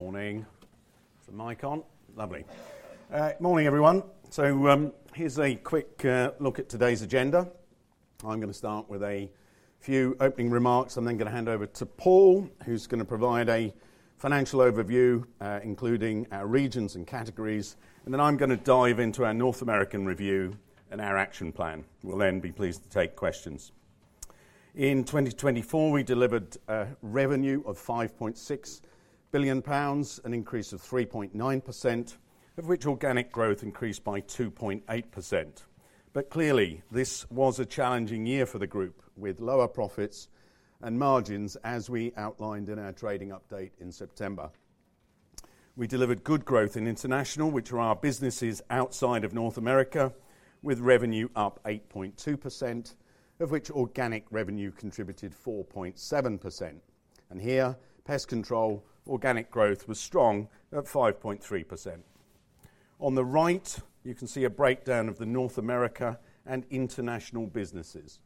Morning. Is the mic on? Lovely. Morning, everyone. So here's a quick look at today's agenda. I'm going to start with a few opening remarks. I'm then going to hand over to Paul, who's going to provide a financial overview, including our regions and categories. And then I'm going to dive into our North American review and our action plan. We'll then be pleased to take questions. In 2024, we delivered a revenue of 5.6 billion pounds, an increase of 3.9%, of which organic growth increased by 2.8%. But clearly, this was a challenging year for the group, with lower profits and margins, as we outlined in our trading update in September. We delivered good growth in international, which are our businesses outside of North America, with revenue up 8.2%, of which organic revenue contributed 4.7%. And here, pest control organic growth was strong at 5.3%. On the right, you can see a breakdown of the North America and international businesses.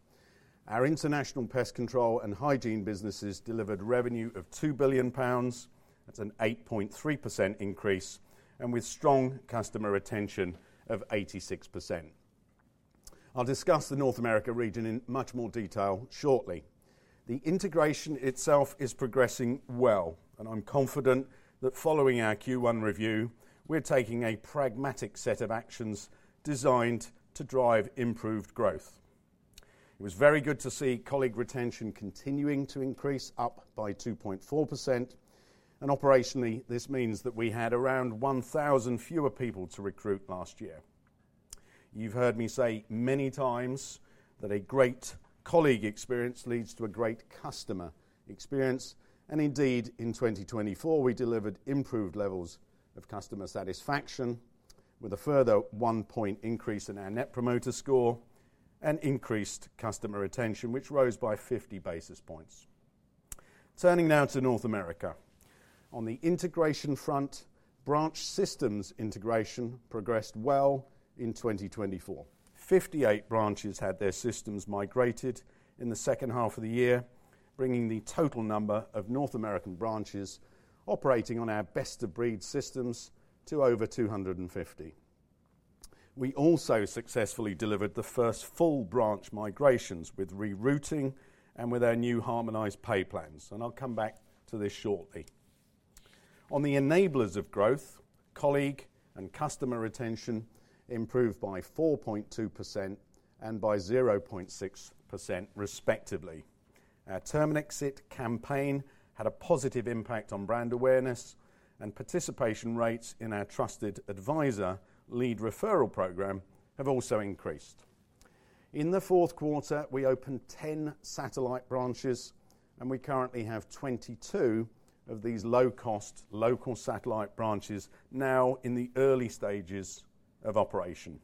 Our international pest control and hygiene businesses delivered revenue of 2 billion pounds. That's an 8.3% increase, and with strong customer retention of 86%. I'll discuss the North America region in much more detail shortly. The integration itself is progressing well, and I'm confident that following our Q1 review, we're taking a pragmatic set of actions designed to drive improved growth. It was very good to see colleague retention continuing to increase up by 2.4%. And operationally, this means that we had around 1,000 fewer people to recruit last year. You've heard me say many times that a great colleague experience leads to a great customer experience. Indeed, in 2024, we delivered improved levels of customer satisfaction with a further one-point increase in our Net Promoter Score and increased customer retention, which rose by 50 basis points. Turning now to North America. On the integration front, branch systems integration progressed well in 2024. 58 branches had their systems migrated in the second half of the year, bringing the total number of North American branches operating on our best-of-breed systems to over 250. We also successfully delivered the first full branch migrations with rerouting and with our new harmonized pay plans. And I'll come back to this shortly. On the enablers of growth, colleague and customer retention improved by 4.2% and by 0.6%, respectively. Our Terminix It campaign had a positive impact on brand awareness, and participation rates in our Trusted Advisor lead referral program have also increased. In the fourth quarter, we opened 10 satellite branches, and we currently have 22 of these low-cost local satellite branches now in the early stages of operation.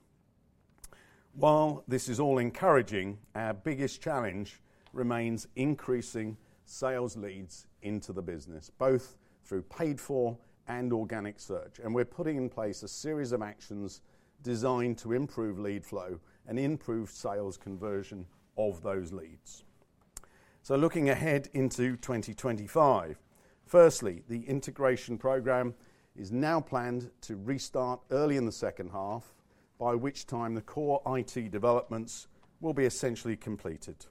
While this is all encouraging, our biggest challenge remains increasing sales leads into the business, both through paid-for and organic search. And we're putting in place a series of actions designed to improve lead flow and improve sales conversion of those leads. So looking ahead into 2025, firstly, the integration program is now planned to restart early in the second half, by which time the core IT developments will be essentially completed.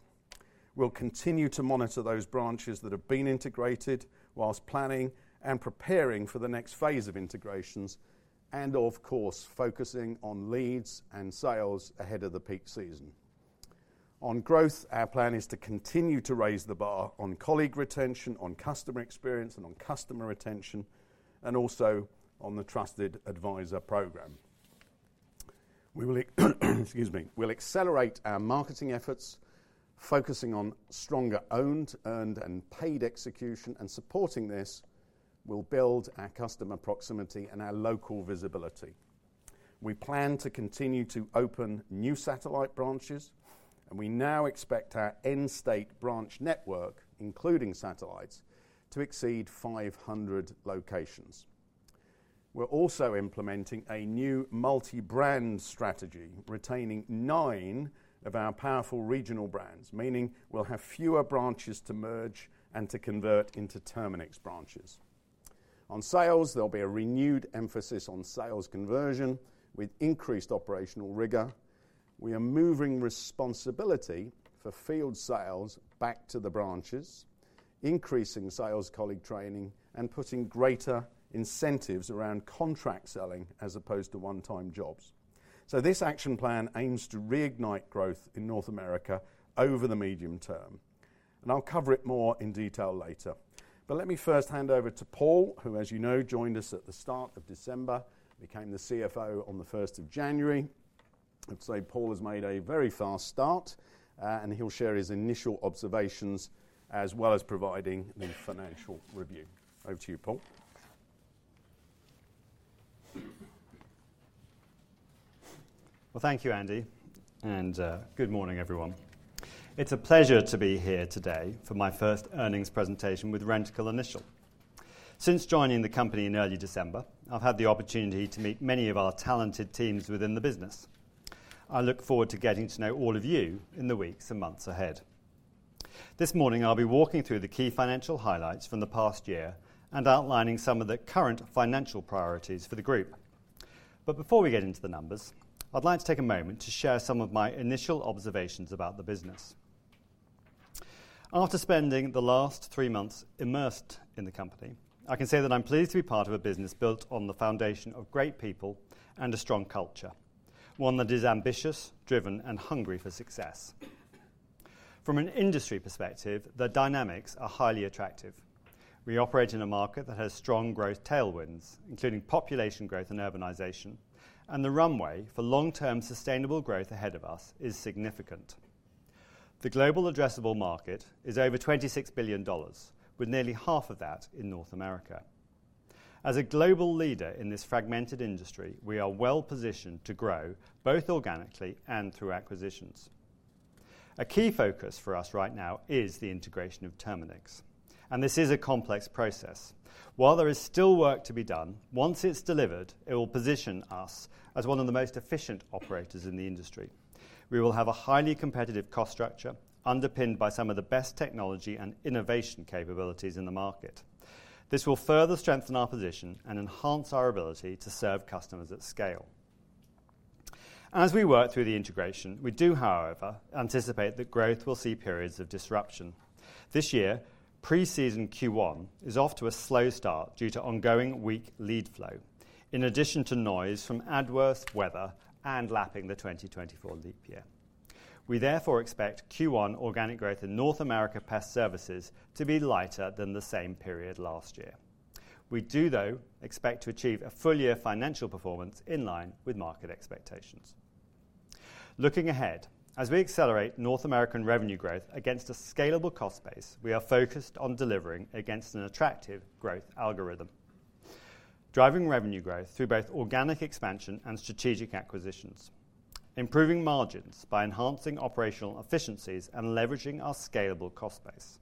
We'll continue to monitor those branches that have been integrated while planning and preparing for the next phase of integrations and, of course, focusing on leads and sales ahead of the peak season. On growth, our plan is to continue to raise the bar on colleague retention, on customer experience, and on customer retention, and also on the Trusted Advisor program. We'll accelerate our marketing efforts, focusing on stronger owned, earned, and paid execution, and supporting this will build our customer proximity and our local visibility. We plan to continue to open new satellite branches, and we now expect our in-state branch network, including satellites, to exceed 500 locations. We're also implementing a new multi-brand strategy, retaining nine of our powerful regional brands, meaning we'll have fewer branches to merge and to convert into Terminix branches. On sales, there'll be a renewed emphasis on sales conversion with increased operational rigor. We are moving responsibility for field sales back to the branches, increasing sales colleague training, and putting greater incentives around contract selling as opposed to one-time jobs. So this action plan aims to reignite growth in North America over the medium term. And I'll cover it more in detail later. But let me first hand over to Paul, who, as you know, joined us at the start of December, became the CFO on the 1st of January. I'd say Paul has made a very fast start, and he'll share his initial observations as well as providing the financial review. Over to you, Paul. Well, thank you, Andy. And good morning, everyone. It's a pleasure to be here today for my first earnings presentation with Rentokil Initial. Since joining the company in early December, I've had the opportunity to meet many of our talented teams within the business. I look forward to getting to know all of you in the weeks and months ahead. This morning, I'll be walking through the key financial highlights from the past year and outlining some of the current financial priorities for the group. But before we get into the numbers, I'd like to take a moment to share some of my initial observations about the business. After spending the last three months immersed in the company, I can say that I'm pleased to be part of a business built on the foundation of great people and a strong culture, one that is ambitious, driven, and hungry for success. From an industry perspective, the dynamics are highly attractive. We operate in a market that has strong growth tailwinds, including population growth and urbanization, and the runway for long-term sustainable growth ahead of us is significant. The global addressable market is over $26 billion, with nearly half of that in North America. As a global leader in this fragmented industry, we are well positioned to grow both organically and through acquisitions. A key focus for us right now is the integration of Terminix, and this is a complex process. While there is still work to be done, once it's delivered, it will position us as one of the most efficient operators in the industry. We will have a highly competitive cost structure underpinned by some of the best technology and innovation capabilities in the market. This will further strengthen our position and enhance our ability to serve customers at scale. As we work through the integration, we do, however, anticipate that growth will see periods of disruption. This year, pre-season Q1 is off to a slow start due to ongoing weak lead flow, in addition to noise from adverse weather and lapping the 2024 leap year. We therefore expect Q1 organic growth in North America pest services to be lighter than the same period last year. We do, though, expect to achieve a full year financial performance in line with market expectations. Looking ahead, as we accelerate North American revenue growth against a scalable cost base, we are focused on delivering against an attractive growth algorithm, driving revenue growth through both organic expansion and strategic acquisitions, improving margins by enhancing operational efficiencies and leveraging our scalable cost base,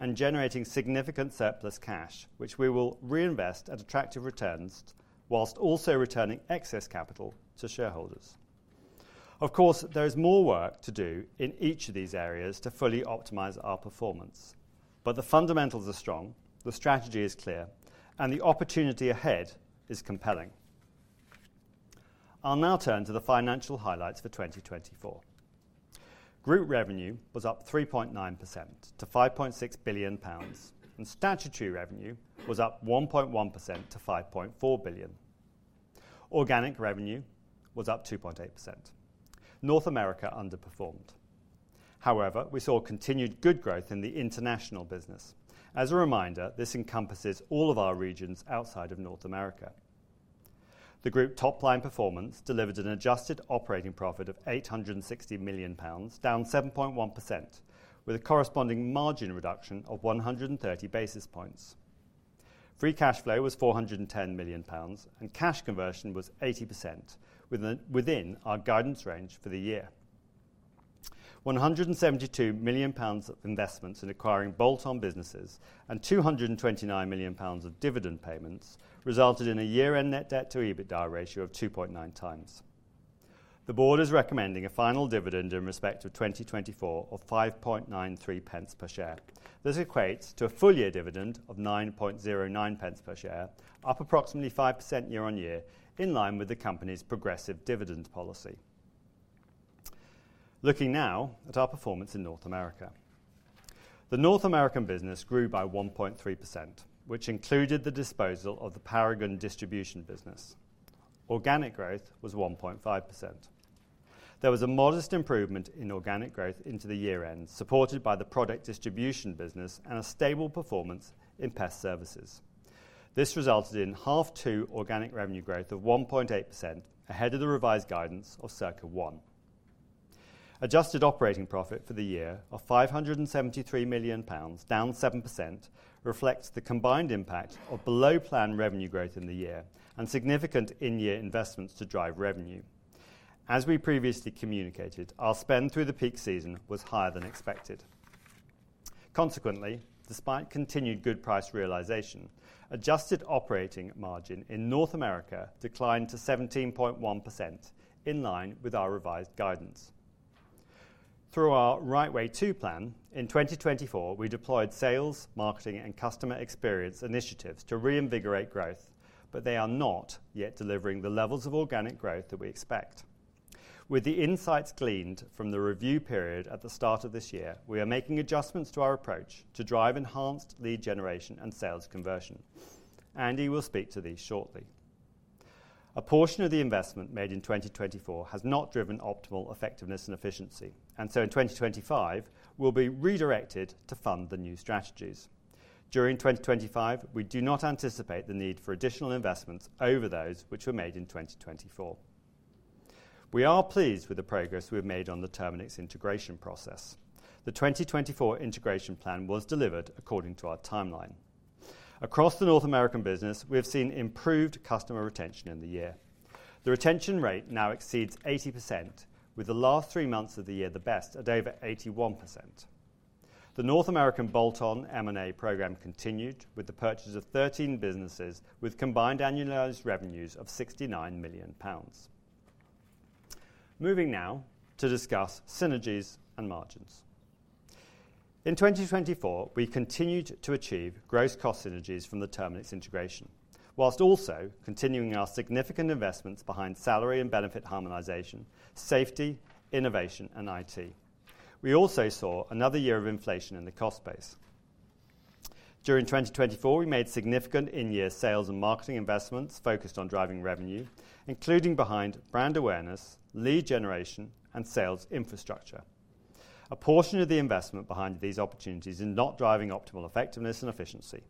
and generating significant surplus cash, which we will reinvest at attractive returns while also returning excess capital to shareholders. Of course, there is more work to do in each of these areas to fully optimize our performance. But the fundamentals are strong, the strategy is clear, and the opportunity ahead is compelling. I'll now turn to the financial highlights for 2024. Group revenue was up 3.9% to 5.6 billion pounds, and statutory revenue was up 1.1% to 5.4 billion. Organic revenue was up 2.8%. North America underperformed. However, we saw continued good growth in the international business. As a reminder, this encompasses all of our regions outside of North America. The group top-line performance delivered an adjusted operating profit of 860 million pounds, down 7.1%, with a corresponding margin reduction of 130 basis points. Free cash flow was 410 million pounds, and cash conversion was 80%, within our guidance range for the year. 172 million of investments in acquiring bolt-on businesses and 229 million pounds of dividend payments resulted in a year-end net debt-to-EBITDA ratio of 2.9 times. The board is recommending a final dividend in respect of 2024 of 5.93 per share. This equates to a full year dividend of 9.09 per share, up approximately 5% year on year, in line with the company's progressive dividend policy. Looking now at our performance in North America, the North American business grew by 1.3%, which included the disposal of the Paragon distribution business. Organic growth was 1.5%. There was a modest improvement in organic growth into the year-end, supported by the product distribution business and a stable performance in pest services. This resulted in second half organic revenue growth of 1.8% ahead of the revised guidance of circa 1%. Adjusted operating profit for the year of £573 million, down 7%, reflects the combined impact of below-plan revenue growth in the year and significant in-year investments to drive revenue. As we previously communicated, our spend through the peak season was higher than expected. Consequently, despite continued good price realization, adjusted operating margin in North America declined to 17.1%, in line with our revised guidance. Through our Right Way 2 plan, in 2024, we deployed sales, marketing, and customer experience initiatives to reinvigorate growth, but they are not yet delivering the levels of organic growth that we expect. With the insights gleaned from the review period at the start of this year, we are making adjustments to our approach to drive enhanced lead generation and sales conversion. Andy will speak to these shortly. A portion of the investment made in 2024 has not driven optimal effectiveness and efficiency, and so in 2025, we'll be redirected to fund the new strategies. During 2025, we do not anticipate the need for additional investments over those which were made in 2024. We are pleased with the progress we've made on the Terminix integration process. The 2024 integration plan was delivered according to our timeline. Across the North American business, we have seen improved customer retention in the year. The retention rate now exceeds 80%, with the last three months of the year the best at over 81%. The North American bolt-on M&A program continued with the purchase of 13 businesses, with combined annualized revenues of 69 million pounds. Moving now to discuss synergies and margins. In 2024, we continued to achieve gross cost synergies from the Terminix integration, while also continuing our significant investments behind salary and benefit harmonization, safety, innovation, and IT. We also saw another year of inflation in the cost base. During 2024, we made significant in-year sales and marketing investments focused on driving revenue, including behind brand awareness, lead generation, and sales infrastructure. A portion of the investment behind these opportunities is not driving optimal effectiveness and efficiency.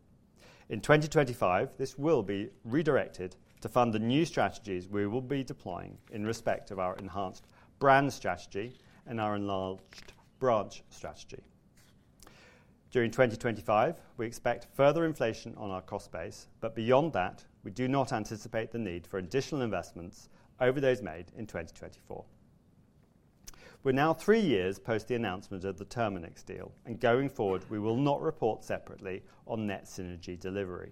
In 2025, this will be redirected to fund the new strategies we will be deploying in respect of our enhanced brand strategy and our enlarged branch strategy. During 2025, we expect further inflation on our cost base, but beyond that, we do not anticipate the need for additional investments over those made in 2024. We're now three years post the announcement of the Terminix deal, and going forward, we will not report separately on net synergy delivery.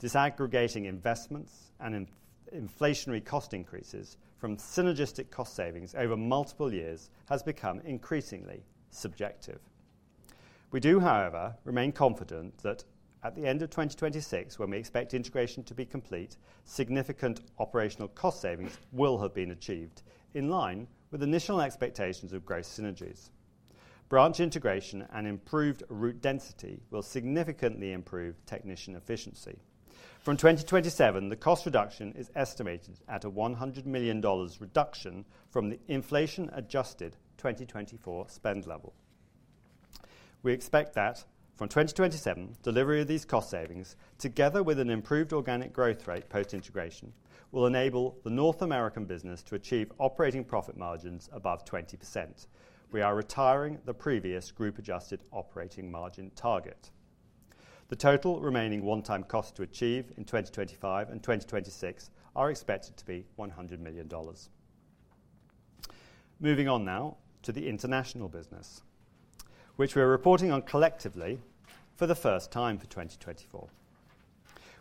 Disaggregating investments and inflationary cost increases from synergistic cost savings over multiple years has become increasingly subjective. We do, however, remain confident that at the end of 2026, when we expect integration to be complete, significant operational cost savings will have been achieved in line with initial expectations of gross synergies. Branch integration and improved route density will significantly improve technician efficiency. From 2027, the cost reduction is estimated at a $100 million reduction from the inflation-adjusted 2024 spend level. We expect that from 2027, delivery of these cost savings, together with an improved organic growth rate post-integration, will enable the North American business to achieve operating profit margins above 20%. We are retiring the previous group-adjusted operating margin target. The total remaining one-time costs to achieve in 2025 and 2026 are expected to be $100 million. Moving on now to the international business, which we are reporting on collectively for the first time for 2024.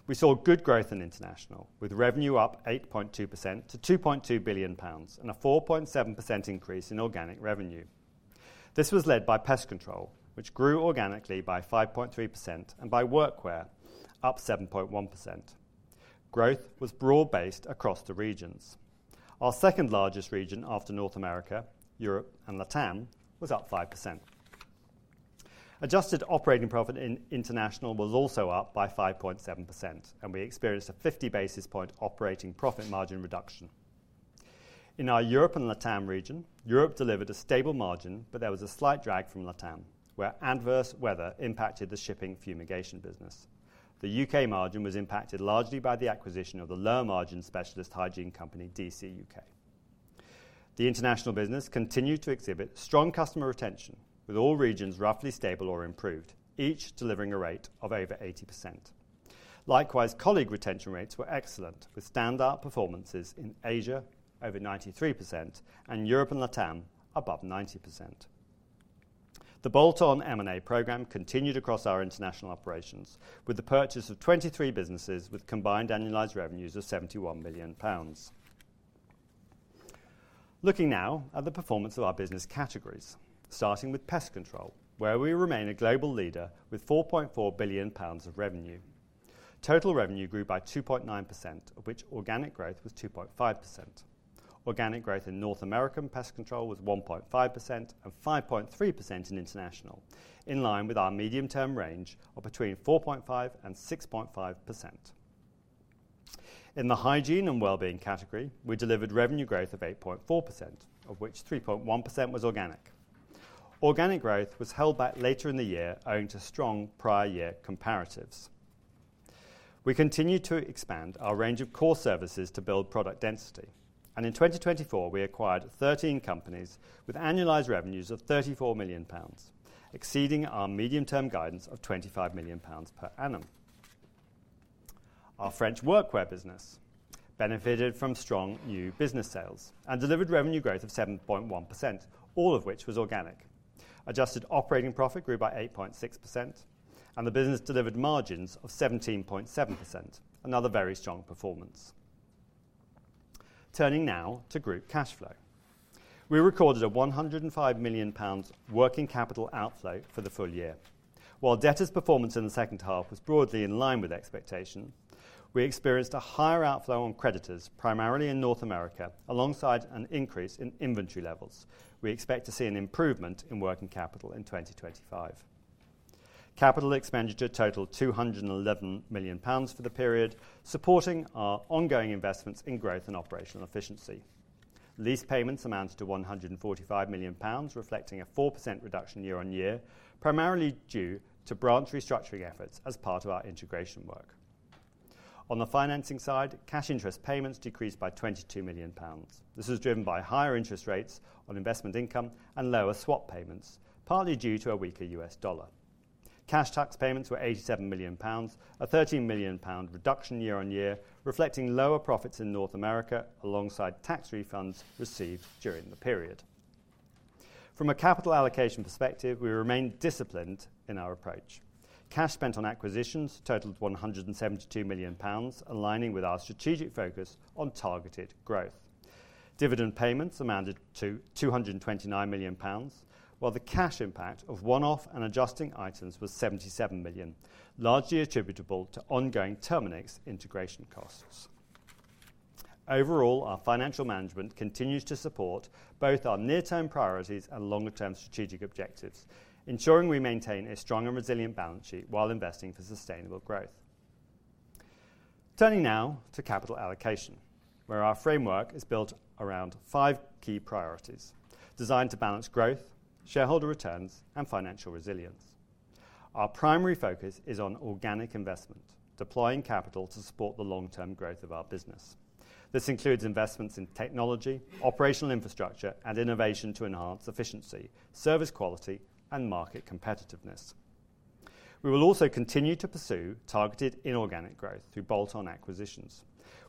We saw good growth in international, with revenue up 8.2% to 2.2 billion pounds and a 4.7% increase in organic revenue. This was led by pest control, which grew organically by 5.3%, and by workwear, up 7.1%. Growth was broad-based across the regions. Our second largest region after North America, Europe, and LatAm was up 5%. Adjusted operating profit in international was also up by 5.7%, and we experienced a 50 basis point operating profit margin reduction. In our Europe and LatAm region, Europe delivered a stable margin, but there was a slight drag from LatAm, where adverse weather impacted the shipping fumigation business. The UK margin was impacted largely by the acquisition of the low-margin specialist hygiene company, DCUK. The international business continued to exhibit strong customer retention, with all regions roughly stable or improved, each delivering a rate of over 80%. Likewise, colleague retention rates were excellent, with standout performances in Asia over 93% and Europe and LatAm above 90%. The bolt-on M&A program continued across our international operations, with the purchase of 23 businesses with combined annualized revenues of GBP 71 million. Looking now at the performance of our business categories, starting with pest control, where we remain a global leader with 4.4 billion pounds of revenue. Total revenue grew by 2.9%, of which organic growth was 2.5%. Organic growth in North American pest control was 1.5% and 5.3% in international, in line with our medium-term range of between 4.5% and 6.5%. In the hygiene and well-being category, we delivered revenue growth of 8.4%, of which 3.1% was organic. Organic growth was held back later in the year, owing to strong prior year comparatives. We continue to expand our range of core services to build product density, and in 2024, we acquired 13 companies with annualized revenues of GBP 34 million, exceeding our medium-term guidance of GBP 25 million per annum. Our French workwear business benefited from strong new business sales and delivered revenue growth of 7.1%, all of which was organic. Adjusted operating profit grew by 8.6%, and the business delivered margins of 17.7%, another very strong performance. Turning now to group cash flow, we recorded a 105 million pounds working capital outflow for the full year. While debtors' performance in the second half was broadly in line with expectation, we experienced a higher outflow on creditors, primarily in North America, alongside an increase in inventory levels. We expect to see an improvement in working capital in 2025. Capital expenditure totaled 211 million pounds for the period, supporting our ongoing investments in growth and operational efficiency. Lease payments amounted to 145 million pounds, reflecting a 4% reduction year on year, primarily due to branch restructuring efforts as part of our integration work. On the financing side, cash interest payments decreased by 22 million pounds. This was driven by higher interest rates on investment income and lower swap payments, partly due to a weaker US dollar. Cash tax payments were GBP 87 million, a GBP 13 million reduction year on year, reflecting lower profits in North America, alongside tax refunds received during the period. From a capital allocation perspective, we remained disciplined in our approach. Cash spent on acquisitions totaled 172 million pounds, aligning with our strategic focus on targeted growth. Dividend payments amounted to 229 million pounds, while the cash impact of one-off and adjusting items was 77 million, largely attributable to ongoing Terminix integration costs. Overall, our financial management continues to support both our near-term priorities and longer-term strategic objectives, ensuring we maintain a strong and resilient balance sheet while investing for sustainable growth. Turning now to capital allocation, where our framework is built around five key priorities designed to balance growth, shareholder returns, and financial resilience. Our primary focus is on organic investment, deploying capital to support the long-term growth of our business. This includes investments in technology, operational infrastructure, and innovation to enhance efficiency, service quality, and market competitiveness. We will also continue to pursue targeted inorganic growth through bolt-on acquisitions.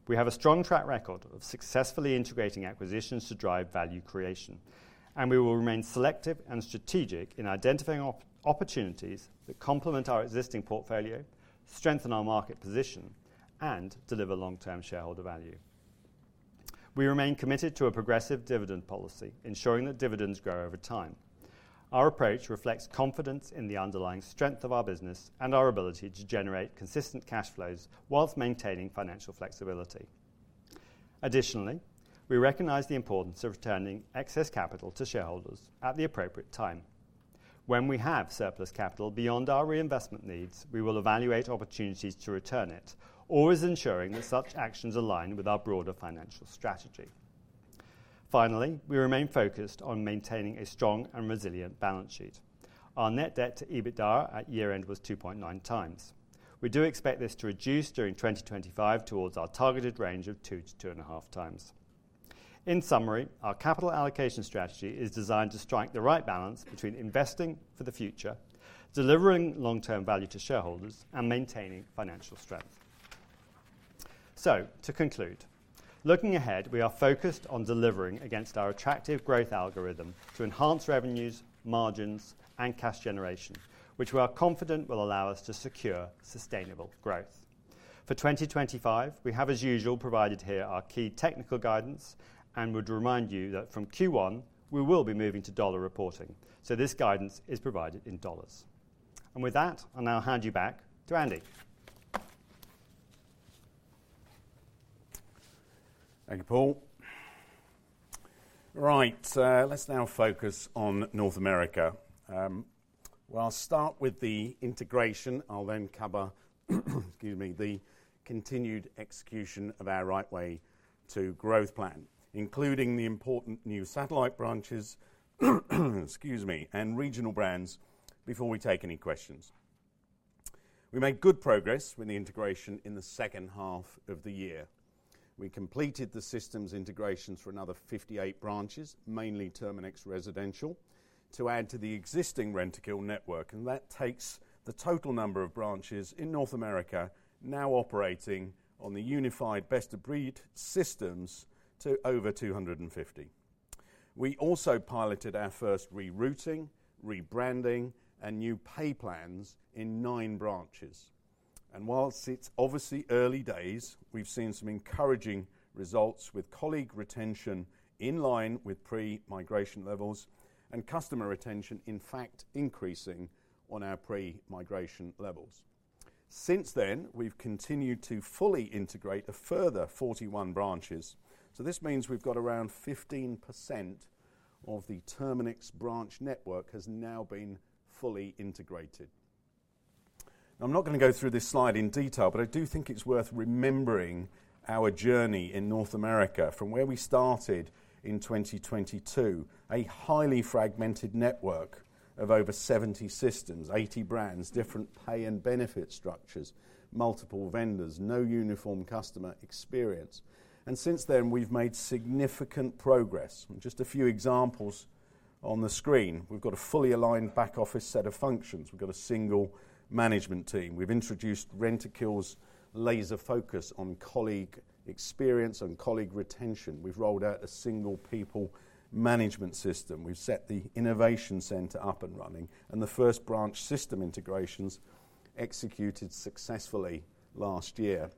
We have a strong track record of successfully integrating acquisitions to drive value creation, and we will remain selective and strategic in identifying opportunities that complement our existing portfolio, strengthen our market position, and deliver long-term shareholder value. We remain committed to a progressive dividend policy, ensuring that dividends grow over time. Our approach reflects confidence in the underlying strength of our business and our ability to generate consistent cash flows while maintaining financial flexibility. Additionally, we recognize the importance of returning excess capital to shareholders at the appropriate time. When we have surplus capital beyond our reinvestment needs, we will evaluate opportunities to return it, always ensuring that such actions align with our broader financial strategy. Finally, we remain focused on maintaining a strong and resilient balance sheet. Our net debt to EBITDA at year-end was 2.9 times. We do expect this to reduce during 2025 towards our targeted range of 2-2.5 times. In summary, our capital allocation strategy is designed to strike the right balance between investing for the future, delivering long-term value to shareholders, and maintaining financial strength. To conclude, looking ahead, we are focused on delivering against our attractive growth algorithm to enhance revenues, margins, and cash generation, which we are confident will allow us to secure sustainable growth. For 2025, we have, as usual, provided here our key technical guidance, and would remind you that from Q1, we will be moving to dollar reporting. This guidance is provided in dollars. With that, I'll now hand you back to Andy. Thank you, Paul. Right, let's now focus on North America. I'll start with the integration. I'll then cover, excuse me, the continued execution of our Right Way 2 growth plan, including the important new satellite branches, excuse me, and regional brands before we take any questions. We made good progress with the integration in the second half of the year. We completed the systems integrations for another 58 branches, mainly Terminix Residential, to add to the existing Rentokil network, and that takes the total number of branches in North America now operating on the unified best-of-breed systems to over 250. We also piloted our first rerouting, rebranding, and new pay plans in nine branches. And while it's obviously early days, we've seen some encouraging results with colleague retention in line with pre-migration levels and customer retention, in fact, increasing on our pre-migration levels. Since then, we've continued to fully integrate a further 41 branches. This means we've got around 15% of the Terminix branch network has now been fully integrated. Now, I'm not going to go through this slide in detail, but I do think it's worth remembering our journey in North America from where we started in 2022, a highly fragmented network of over 70 systems, 80 brands, different pay and benefit structures, multiple vendors, no uniform customer experience. Since then, we've made significant progress. Just a few examples on the screen. We've got a fully aligned back office set of functions. We've got a single management team. We've introduced Rentokil's laser focus on colleague experience and colleague retention. We've rolled out a single people management system. We've set the innovation center up and running, and the first branch system integrations executed successfully last year.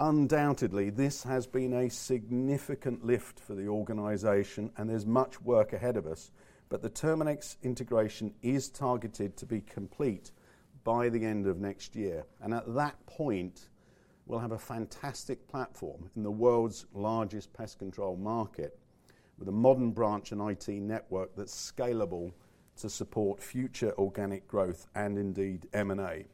Undoubtedly, this has been a significant lift for the organization, and there's much work ahead of us, but the Terminix integration is targeted to be complete by the end of next year, and at that point, we'll have a fantastic platform in the world's largest pest control market with a modern branch and IT network that's scalable to support future organic growth and indeed M&A.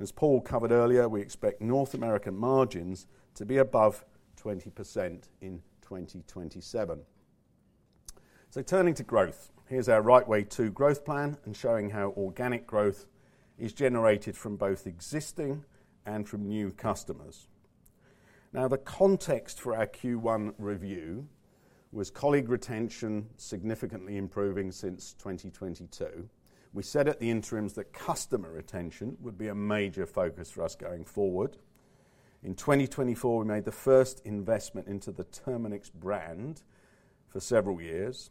As Paul covered earlier, we expect North American margins to be above 20% in 2027. Turning to growth, here's our Right Way 2 growth plan, showing how organic growth is generated from both existing and from new customers. Now, the context for our Q1 review was colleague retention significantly improving since 2022. We said at the interims that customer retention would be a major focus for us going forward. In 2024, we made the first investment into the Terminix brand for several years.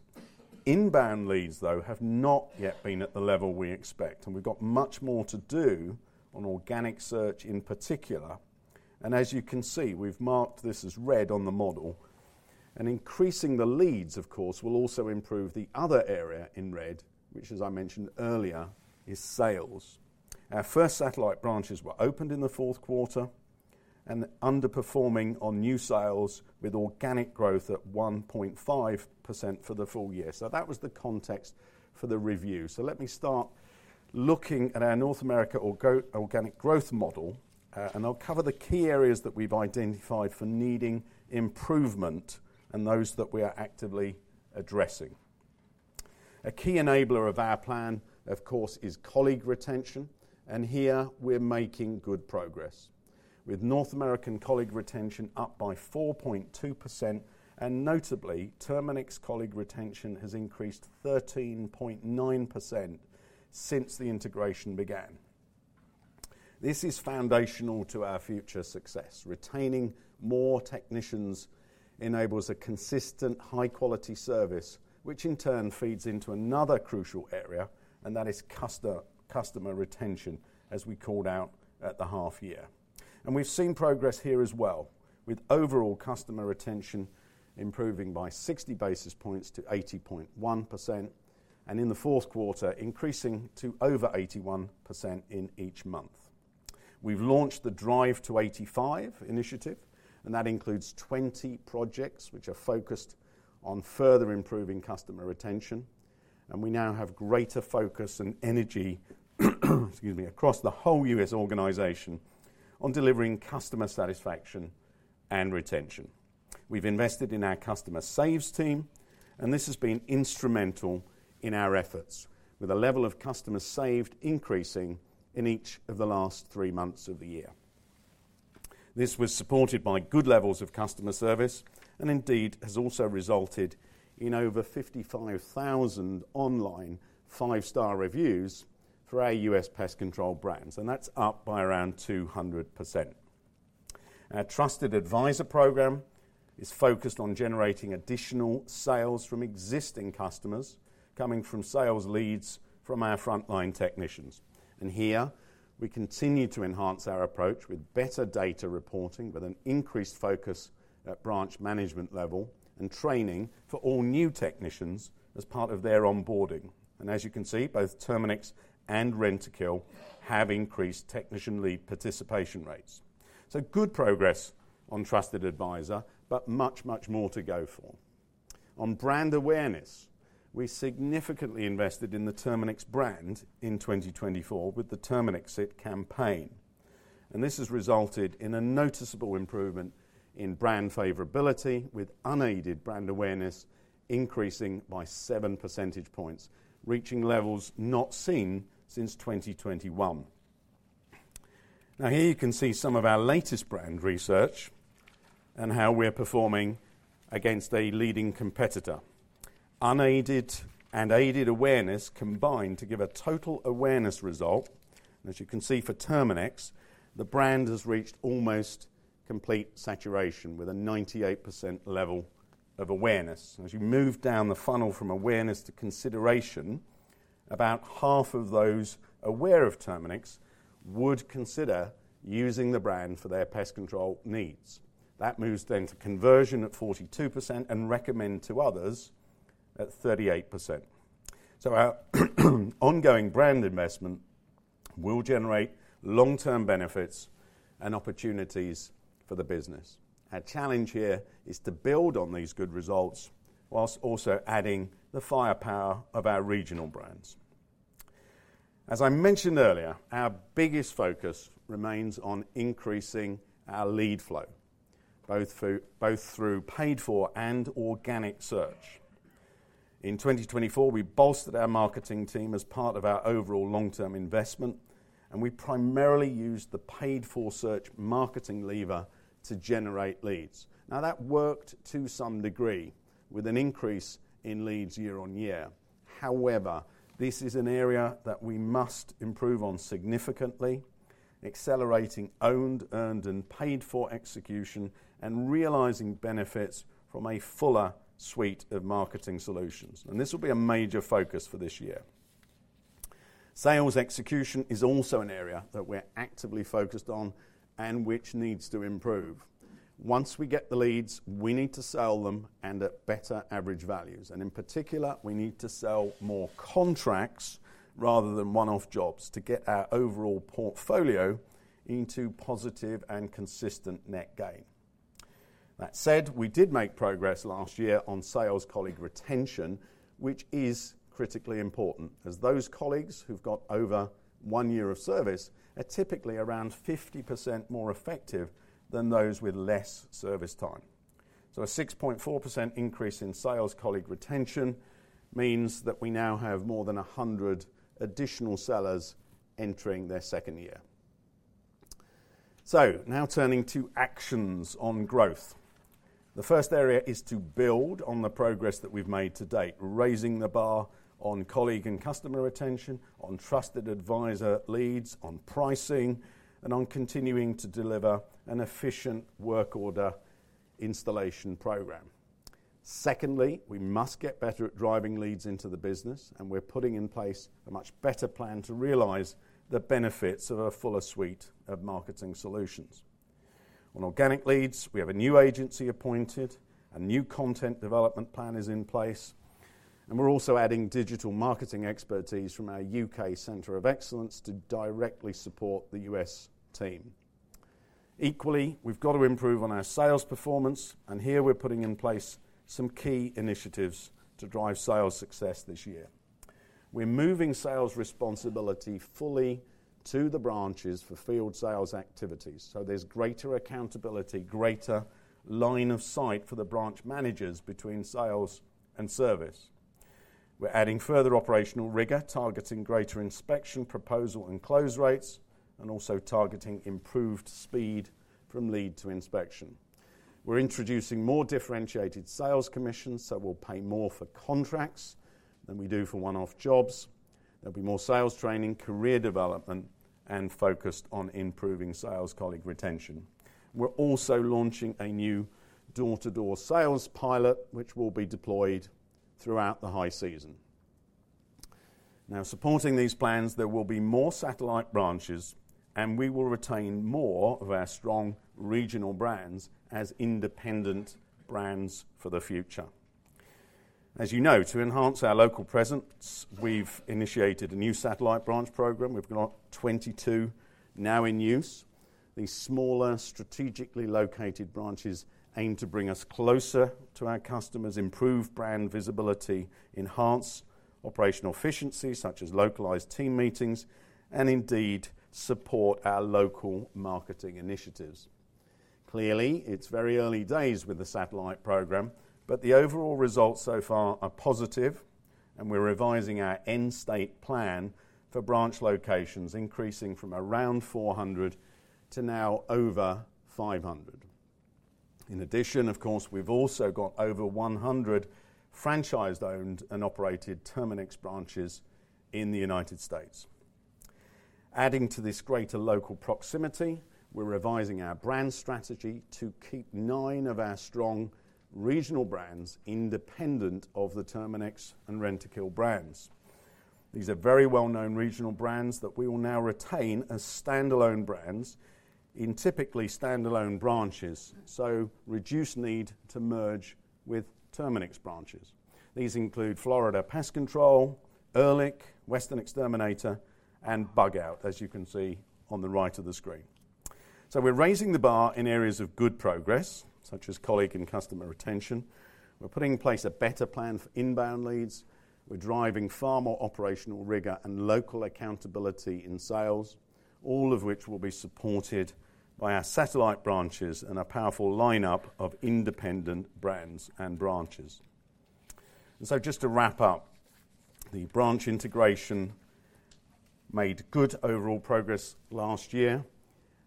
Inbound leads, though, have not yet been at the level we expect, and we've got much more to do on organic search in particular, and as you can see, we've marked this as red on the model, and increasing the leads, of course, will also improve the other area in red, which, as I mentioned earlier, is sales. Our first satellite branches were opened in the fourth quarter and underperforming on new sales with organic growth at 1.5% for the full year, so that was the context for the review, so let me start looking at our North America organic growth model, and I'll cover the key areas that we've identified for needing improvement and those that we are actively addressing. A key enabler of our plan, of course, is colleague retention, and here we're making good progress with North American colleague retention up by 4.2%, and notably, Terminix colleague retention has increased 13.9% since the integration began. This is foundational to our future success. Retaining more technicians enables a consistent, high-quality service, which in turn feeds into another crucial area, and that is customer retention, as we called out at the half year, and we've seen progress here as well, with overall customer retention improving by 60 basis points to 80.1%, and in the fourth quarter, increasing to over 81% in each month. We've launched the Drive to 85 initiative, and that includes 20 projects which are focused on further improving customer retention, and we now have greater focus and energy, excuse me, across the whole US organization on delivering customer satisfaction and retention. We've invested in our customer saves team, and this has been instrumental in our efforts, with a level of customer saved increasing in each of the last three months of the year. This was supported by good levels of customer service and indeed has also resulted in over 55,000 online five-star reviews for our U.S. pest control brands, and that's up by around 200%. Our Trusted Advisor program is focused on generating additional sales from existing customers coming from sales leads from our frontline technicians, and here we continue to enhance our approach with better data reporting, with an increased focus at branch management level and training for all new technicians as part of their onboarding, and as you can see, both Terminix and Rentokil have increased technician lead participation rates, so good progress on Trusted Advisor, but much, much more to go for. On brand awareness, we significantly invested in the Terminix brand in 2024 with the Terminix It campaign. This has resulted in a noticeable improvement in brand favorability, with unaided brand awareness increasing by 7 percentage points, reaching levels not seen since 2021. Now, here you can see some of our latest brand research and how we are performing against a leading competitor. Unaided and aided awareness combined to give a total awareness result. As you can see for Terminix, the brand has reached almost complete saturation with a 98% level of awareness. As you move down the funnel from awareness to consideration, about half of those aware of Terminix would consider using the brand for their pest control needs. That moves then to conversion at 42% and recommend to others at 38%. Our ongoing brand investment will generate long-term benefits and opportunities for the business. Our challenge here is to build on these good results while also adding the firepower of our regional brands. As I mentioned earlier, our biggest focus remains on increasing our lead flow, both through paid-for and organic search. In 2024, we bolstered our marketing team as part of our overall long-term investment, and we primarily used the paid-for search marketing lever to generate leads. Now, that worked to some degree with an increase in leads year on year. However, this is an area that we must improve on significantly, accelerating owned, earned, and paid-for execution and realizing benefits from a fuller suite of marketing solutions. And this will be a major focus for this year. Sales execution is also an area that we're actively focused on and which needs to improve. Once we get the leads, we need to sell them and at better average values. And in particular, we need to sell more contracts rather than one-off jobs to get our overall portfolio into positive and consistent net gain. That said, we did make progress last year on sales colleague retention, which is critically important, as those colleagues who've got over one year of service are typically around 50% more effective than those with less service time. So, a 6.4% increase in sales colleague retention means that we now have more than 100 additional sellers entering their second year. So, now turning to actions on growth. The first area is to build on the progress that we've made to date, raising the bar on colleague and customer retention, on Trusted Advisor leads, on pricing, and on continuing to deliver an efficient work order installation program. Secondly, we must get better at driving leads into the business, and we're putting in place a much better plan to realize the benefits of a fuller suite of marketing solutions. On organic leads, we have a new agency appointed, a new content development plan is in place, and we're also adding digital marketing expertise from our UK Centre of Excellence to directly support the US team. Equally, we've got to improve on our sales performance, and here we're putting in place some key initiatives to drive sales success this year. We're moving sales responsibility fully to the branches for field sales activities. So, there's greater accountability, greater line of sight for the branch managers between sales and service. We're adding further operational rigor, targeting greater inspection, proposal, and close rates, and also targeting improved speed from lead to inspection. We're introducing more differentiated sales commissions, so we'll pay more for contracts than we do for one-off jobs. There'll be more sales training, career development, and focused on improving sales colleague retention. We're also launching a new door-to-door sales pilot, which will be deployed throughout the high season. Now, supporting these plans, there will be more satellite branches, and we will retain more of our strong regional brands as independent brands for the future. As you know, to enhance our local presence, we've initiated a new satellite branch program. We've got 22 now in use. These smaller strategically located branches aim to bring us closer to our customers, improve brand visibility, enhance operational efficiency such as localized team meetings, and indeed support our local marketing initiatives. Clearly, it's very early days with the satellite program, but the overall results so far are positive, and we're revising our end state plan for branch locations, increasing from around 400 to now over 500. In addition, of course, we've also got over 100 franchised owned and operated Terminix branches in the United States. Adding to this greater local proximity, we're revising our brand strategy to keep nine of our strong regional brands independent of the Terminix and Rentokil brands. These are very well-known regional brands that we will now retain as standalone brands in typically standalone branches, so reduce need to merge with Terminix branches. These include Florida Pest Control, Ehrlich, Western Exterminator, and Bug Out, as you can see on the right of the screen, so we're raising the bar in areas of good progress, such as colleague and customer retention. We're putting in place a better plan for inbound leads. We're driving far more operational rigor and local accountability in sales, all of which will be supported by our satellite branches and a powerful lineup of independent brands and branches. And so, just to wrap up, the branch integration made good overall progress last year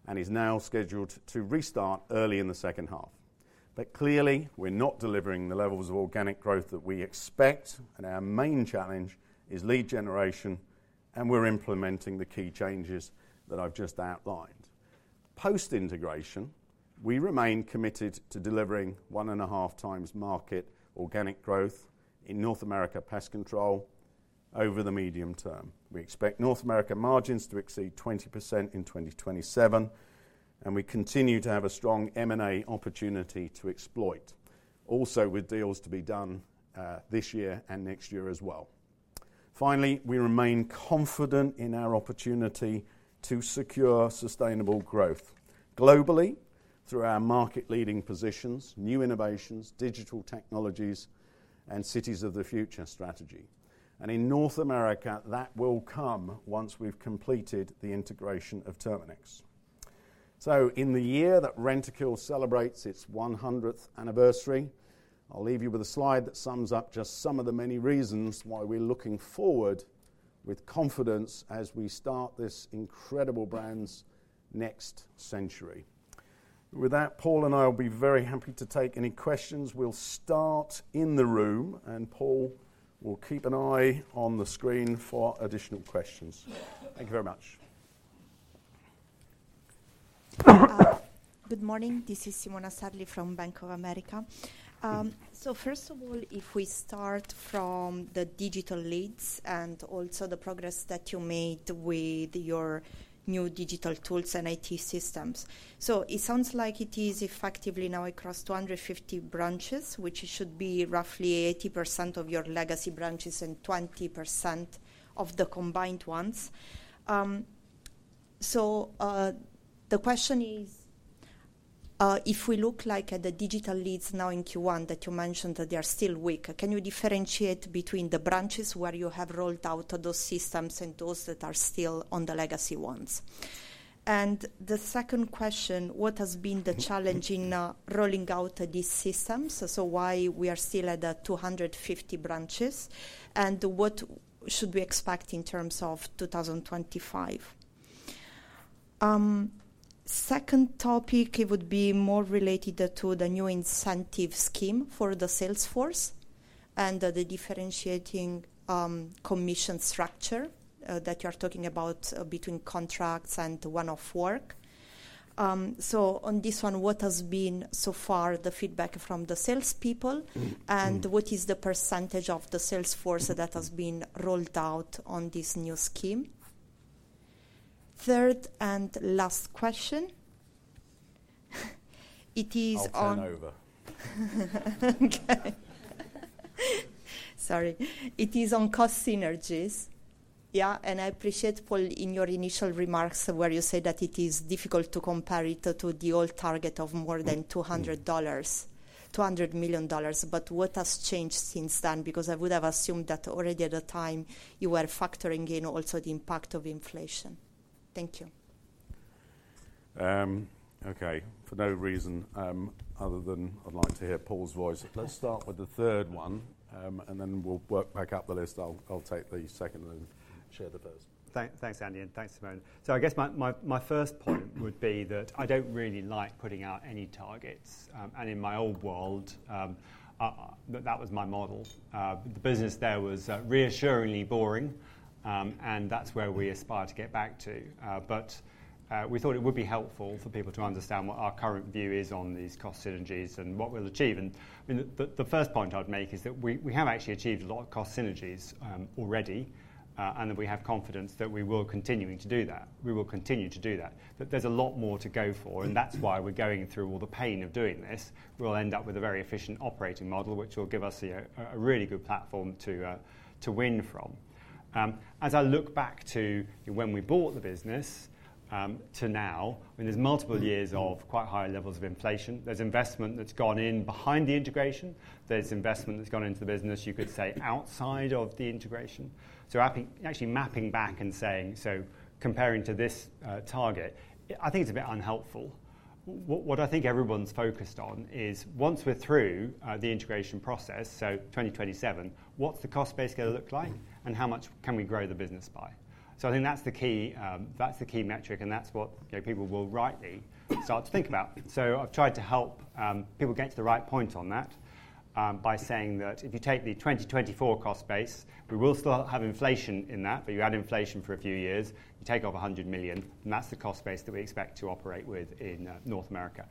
and is now scheduled to restart early in the second half. But clearly, we're not delivering the levels of organic growth that we expect, and our main challenge is lead generation, and we're implementing the key changes that I've just outlined. Post integration, we remain committed to delivering one and a half times market organic growth in North America pest control over the medium term. We expect North America margins to exceed 20% in 2027, and we continue to have a strong M&A opportunity to exploit, also with deals to be done this year and next year as well. Finally, we remain confident in our opportunity to secure sustainable growth globally through our market leading positions, new innovations, digital technologies, and Cities of the Future strategy. And in North America, that will come once we've completed the integration of Terminix. So, in the year that Rentokil celebrates its 100th anniversary, I'll leave you with a slide that sums up just some of the many reasons why we're looking forward with confidence as we start this incredible brand's next century. With that, Paul and I will be very happy to take any questions. We'll start in the room, and Paul will keep an eye on the screen for additional questions. Thank you very much. Good morning. This is Simona Sarli from Bank of America. So, first of all, if we start from the digital leads and also the progress that you made with your new digital tools and IT systems. So, it sounds like it is effectively now across 250 branches, which should be roughly 80% of your legacy branches and 20% of the combined ones. So, the question is, if we look like at the digital leads now in Q1 that you mentioned that they are still weak, can you differentiate between the branches where you have rolled out those systems and those that are still on the legacy ones? And the second question, what has been the challenge in rolling out these systems? So, why we are still at 250 branches and what should we expect in terms of 2025? Second topic, it would be more related to the new incentive scheme for the salesforce and the differentiating commission structure that you are talking about between contracts and one-off work. So, on this one, what has been so far the feedback from the salespeople and what is the percentage of the salesforce that has been rolled out on this new scheme? Third and last question. It is on cost synergies. Yeah. And I appreciate, Paul, in your initial remarks where you say that it is difficult to compare it to the old target of more than $200 million. But what has changed since then? Because I would have assumed that already at the time you were factoring in also the impact of inflation. Thank you. Okay. For no reason other than I'd like to hear Paul's voice, let's start with the third one, and then we'll work back up the list. I'll take the second and share the first. Thanks, Andy, and thanks, Simona. So, I guess my first point would be that I don't really like putting out any targets. And in my old world, that was my model. The business there was reassuringly boring, and that's where we aspire to get back to. But we thought it would be helpful for people to understand what our current view is on these cost synergies and what we'll achieve. And the first point I'd make is that we have actually achieved a lot of cost synergies already, and we have confidence that we will continue to do that. We will continue to do that. But there's a lot more to go for, and that's why we're going through all the pain of doing this. We'll end up with a very efficient operating model, which will give us a really good platform to win from. As I look back to when we bought the business to now, I mean, there's multiple years of quite high levels of inflation. There's investment that's gone in behind the integration. There's investment that's gone into the business, you could say, outside of the integration. So, actually mapping back and saying, so comparing to this target, I think it's a bit unhelpful. What I think everyone's focused on is once we're through the integration process, so 2027, what's the cost base going to look like and how much can we grow the business by? So, I think that's the key metric, and that's what people will rightly start to think about. So, I've tried to help people get to the right point on that by saying that if you take the 2024 cost base, we will still have inflation in that, but you add inflation for a few years, you take off 100 million, and that's the cost base that we expect to operate with in North America.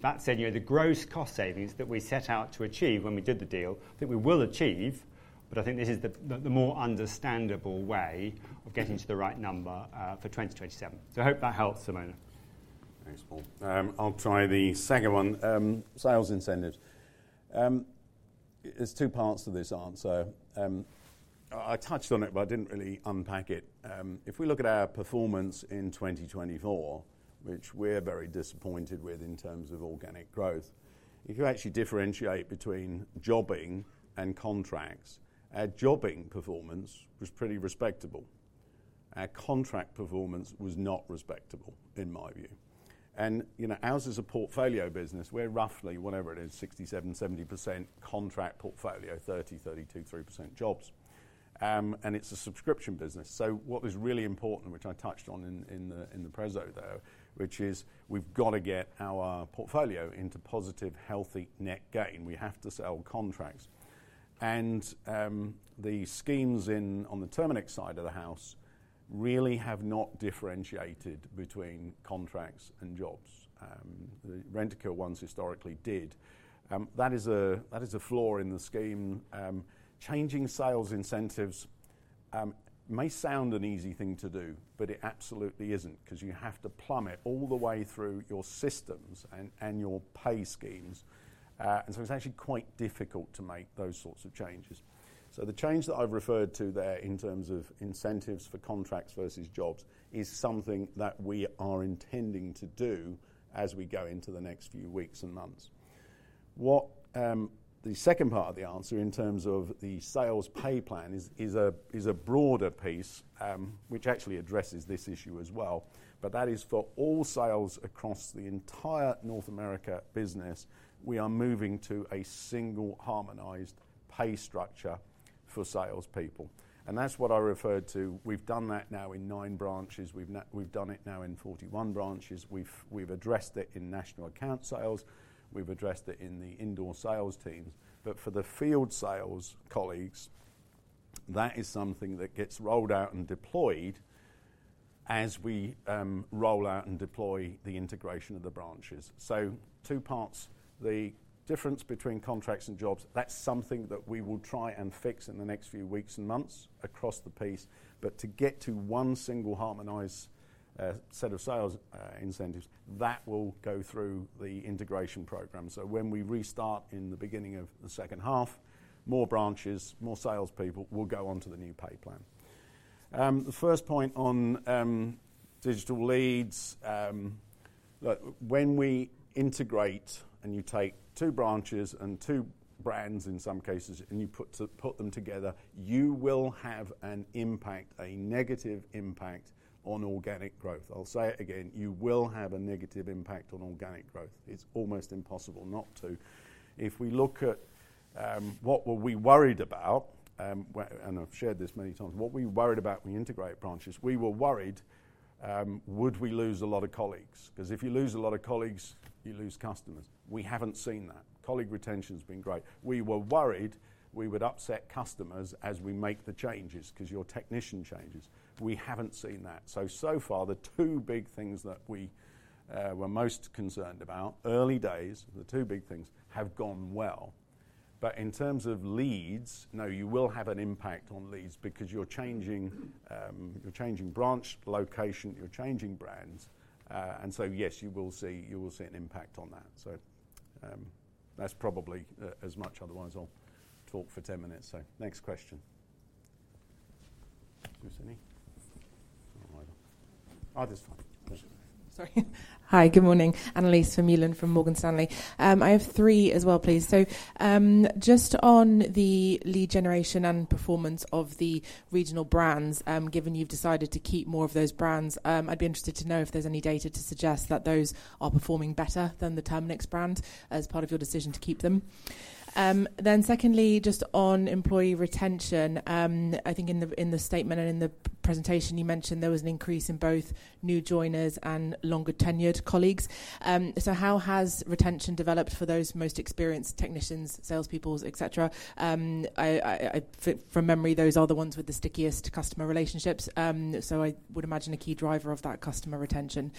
That said, the gross cost savings that we set out to achieve when we did the deal, I think we will achieve, but I think this is the more understandable way of getting to the right number for 2027. So, I hope that helps, Simona. Thanks, Paul. I'll try the second one, sales incentives. There's two parts to this answer. I touched on it, but I didn't really unpack it. If we look at our performance in 2024, which we're very disappointed with in terms of organic growth, if you actually differentiate between jobbing and contracts, our jobbing performance was pretty respectable. Our contract performance was not respectable, in my view. As it is a portfolio business, we're roughly, whatever it is, 67-70% contract portfolio, 30-33% jobs. It's a subscription business, so what is really important, which I touched on in the presentation there, which is we've got to get our portfolio into positive, healthy net gain. We have to sell contracts. The schemes on the Terminix side of the house really have not differentiated between contracts and jobs. Rentokil ones historically did. That is a flaw in the scheme. Changing sales incentives may sound an easy thing to do, but it absolutely isn't because you have to plummet all the way through your systems and your pay schemes, and so it's actually quite difficult to make those sorts of changes, so the change that I've referred to there in terms of incentives for contracts versus jobs is something that we are intending to do as we go into the next few weeks and months. The second part of the answer in terms of the sales pay plan is a broader piece, which actually addresses this issue as well, but that is for all sales across the entire North America business. We are moving to a single harmonized pay structure for salespeople, and that's what I referred to. We've done that now in nine branches. We've done it now in 41 branches. We've addressed it in national account sales. We've addressed it in the indoor sales teams. But for the field sales colleagues, that is something that gets rolled out and deployed as we roll out and deploy the integration of the branches. So, two parts. The difference between contracts and jobs, that's something that we will try and fix in the next few weeks and months across the piece. But to get to one single harmonized set of sales incentives, that will go through the integration program. So, when we restart in the beginning of the second half, more branches, more salespeople will go on to the new pay plan. The first point on digital leads, when we integrate and you take two branches and two brands in some cases and you put them together, you will have an impact, a negative impact on organic growth. I'll say it again. You will have a negative impact on organic growth. It's almost impossible not to. If we look at what were we worried about, and I've shared this many times, what were we worried about when we integrate branches? We were worried, would we lose a lot of colleagues? Because if you lose a lot of colleagues, you lose customers. We haven't seen that. Colleague retention has been great. We were worried we would upset customers as we make the changes because your technician changes. We haven't seen that. So, so far, the two big things that we were most concerned about, early days, the two big things have gone well. But in terms of leads, no, you will have an impact on leads because you're changing branch location, you're changing brands. And so, yes, you will see an impact on that. So, that's probably as much. Otherwise, I'll talk for 10 minutes. So, next question. Is there any? All right. Oh, this is fine. Sorry. Hi, good morning. Annelies Vermeulen from Morgan Stanley. I have three as well, please. So, just on the lead generation and performance of the regional brands, given you've decided to keep more of those brands, I'd be interested to know if there's any data to suggest that those are performing better than the Terminix brand as part of your decision to keep them. Then secondly, just on employee retention, I think in the statement and in the presentation, you mentioned there was an increase in both new joiners and longer tenured colleagues. So, how has retention developed for those most experienced technicians, salespeople, etc.? From memory, those are the ones with the stickiest customer relationships. So, I would imagine a key driver of that customer retention.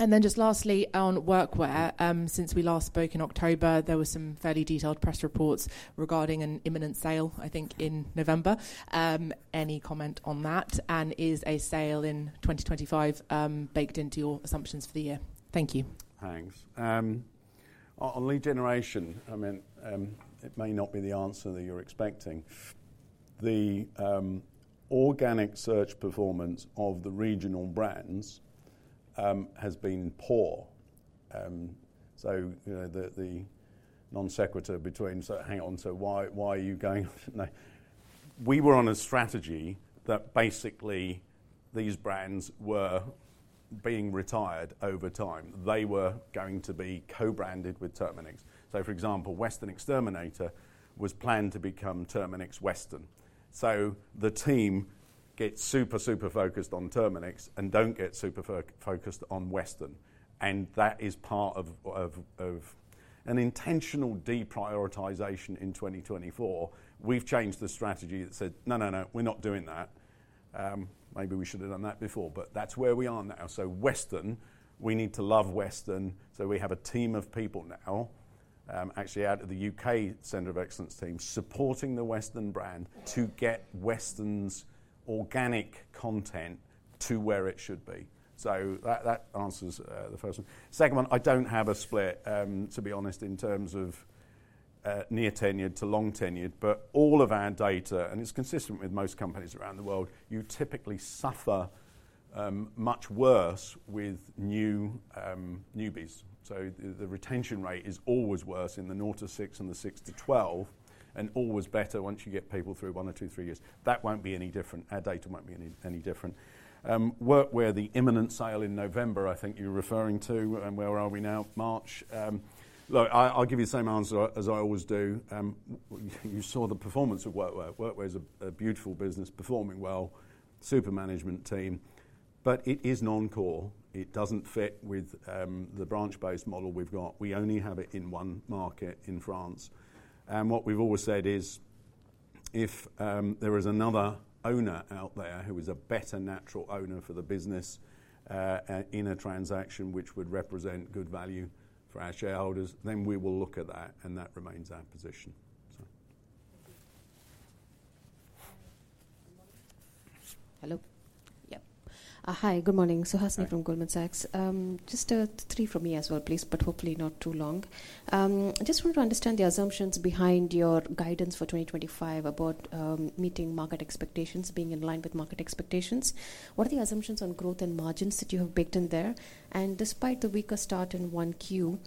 And then just lastly, on workwear, since we last spoke in October, there were some fairly detailed press reports regarding an imminent sale, I think, in November. Any comment on that? And is a sale in 2025 baked into your assumptions for the year? Thank you. Thanks. On lead generation, I mean, it may not be the answer that you're expecting. The organic search performance of the regional brands has been poor. So, the non-sequitur between, so hang on, so why are you going? We were on a strategy that basically these brands were being retired over time. They were going to be co-branded with Terminix. So, for example, Western Exterminator was planned to become Terminix Western. So, the team gets super, super focused on Terminix and don't get super focused on Western. And that is part of an intentional deprioritization in 2024. We've changed the strategy that said, no, no, no, we're not doing that. Maybe we should have done that before, but that's where we are now. So, Western, we need to love Western. So, we have a team of people now, actually out of the UK Centre of Excellence team, supporting the Western brand to get Western's organic growth to where it should be. So, that answers the first one. Second one, I don't have a split, to be honest, in terms of newer tenured to long tenured, but all of our data, and it's consistent with most companies around the world, you typically suffer much worse with newbies. So, the retention rate is always worse in the 0 to 6 and the 6 to 12 and always better once you get people through one or two, three years. That won't be any different. Our data won't be any different. Workwear, the imminent sale in November, I think you're referring to, and where are we now? March. Look, I'll give you the same answer as I always do. You saw the performance of Workwear. Workwear is a beautiful business, performing well, super management team. But it is non-core. It doesn't fit with the branch-based model we've got. We only have it in one market in France. And what we've always said is if there is another owner out there who is a better natural owner for the business in a transaction which would represent good value for our shareholders, then we will look at that, and that remains our position. Hello. Yep. Hi, good morning. Suhasini from Goldman Sachs. Just a three from me as well, please, but hopefully not too long. I just want to understand the assumptions behind your guidance for 2025 about meeting market expectations, being in line with market expectations. What are the assumptions on growth and margins that you have baked in there? And despite the weaker start in 1Q,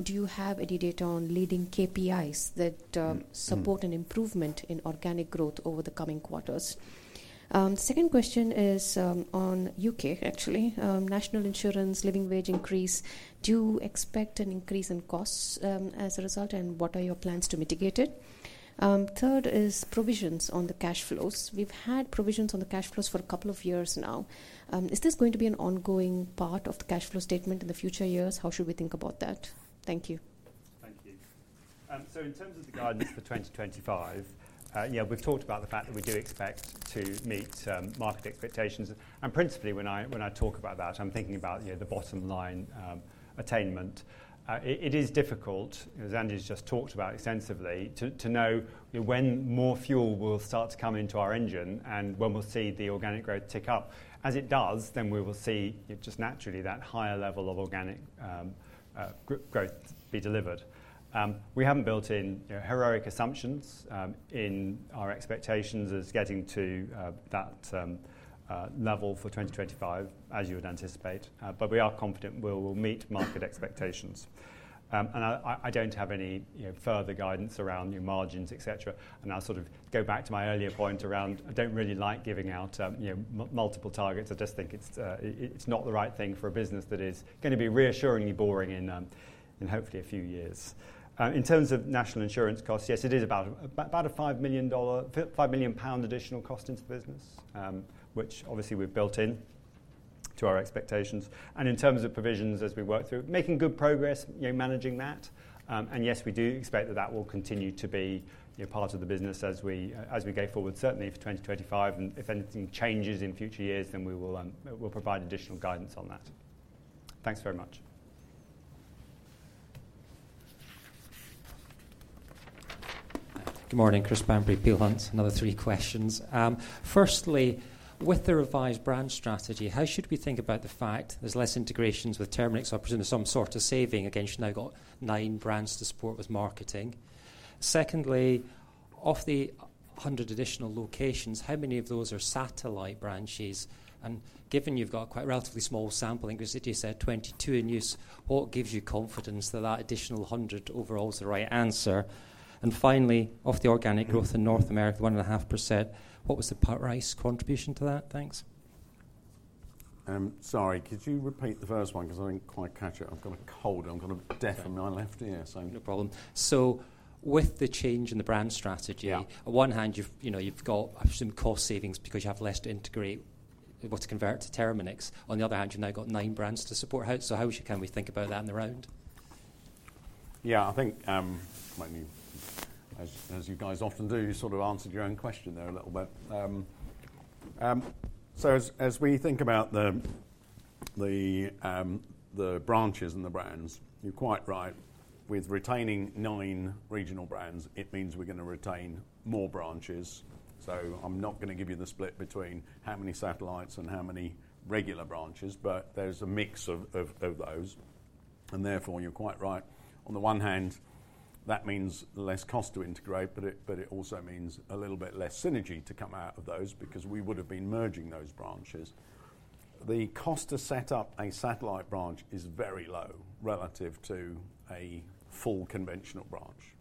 do you have any data on leading KPIs that support an improvement in organic growth over the coming quarters? Second question is on UK, actually. National Insurance, Living Wage increase. Do you expect an increase in costs as a result, and what are your plans to mitigate it? Third is provisions on the cash flows. We've had provisions on the cash flows for a couple of years now. Is this going to be an ongoing part of the cash flow statement in the future years? How should we think about that? Thank you. Thank you. So, in terms of the guidance for 2025, yeah, we've talked about the fact that we do expect to meet market expectations. And principally, when I talk about that, I'm thinking about the bottom line attainment. It is difficult, as Andy has just talked about extensively, to know when more fuel will start to come into our engine and when we'll see the organic growth tick up. As it does, then we will see just naturally that higher level of organic growth be delivered. We haven't built in heroic assumptions in our expectations as getting to that level for 2025, as you would anticipate. But we are confident we'll meet market expectations. And I don't have any further guidance around margins, etc. And I'll sort of go back to my earlier point around, I don't really like giving out multiple targets. I just think it's not the right thing for a business that is going to be reassuringly boring in hopefully a few years. In terms of National Insurance costs, yes, it is about a 5 million pound additional cost into the business, which obviously we've built in to our expectations. And in terms of provisions, as we work through, making good progress, managing that. And yes, we do expect that that will continue to be part of the business as we go forward, certainly for 2025. And if anything changes in future years, then we will provide additional guidance on that. Thanks very much. Good morning. Chris Bamberry, Peel Hunt, another three questions. Firstly, with the revised brand strategy, how should we think about the fact there's less integrations with Terminix? I'll presume some sort of saving against you've now got nine brands to support with marketing. Secondly, of the 100 additional locations, how many of those are satellite branches? And given you've got a quite relatively small sample, I think it was that you said 22 in use, what gives you confidence that that additional 100 overall is the right answer? And finally, of the organic growth in North America, 1.5%, what was the price contribution to that? Thanks. Sorry, could you repeat the first one because I didn't quite catch it? I've got a cold. I'm going to deafen my left ear, so. No problem. So, with the change in the brand strategy, on one hand, you've got some cost savings because you have less to integrate what to convert to Terminix. On the other hand, you've now got nine brands to support. So how can we think about that in the round? Yeah, I think, as you guys often do, you sort of answered your own question there a little bit. So, as we think about the branches and the brands, you're quite right. With retaining nine regional brands, it means we're going to retain more branches. So, I'm not going to give you the split between how many satellites and how many regular branches, but there's a mix of those. And therefore, you're quite right. On the one hand, that means less cost to integrate, but it also means a little bit less synergy to come out of those because we would have been merging those branches. The cost to set up a satellite branch is very low relative to a full conventional branch.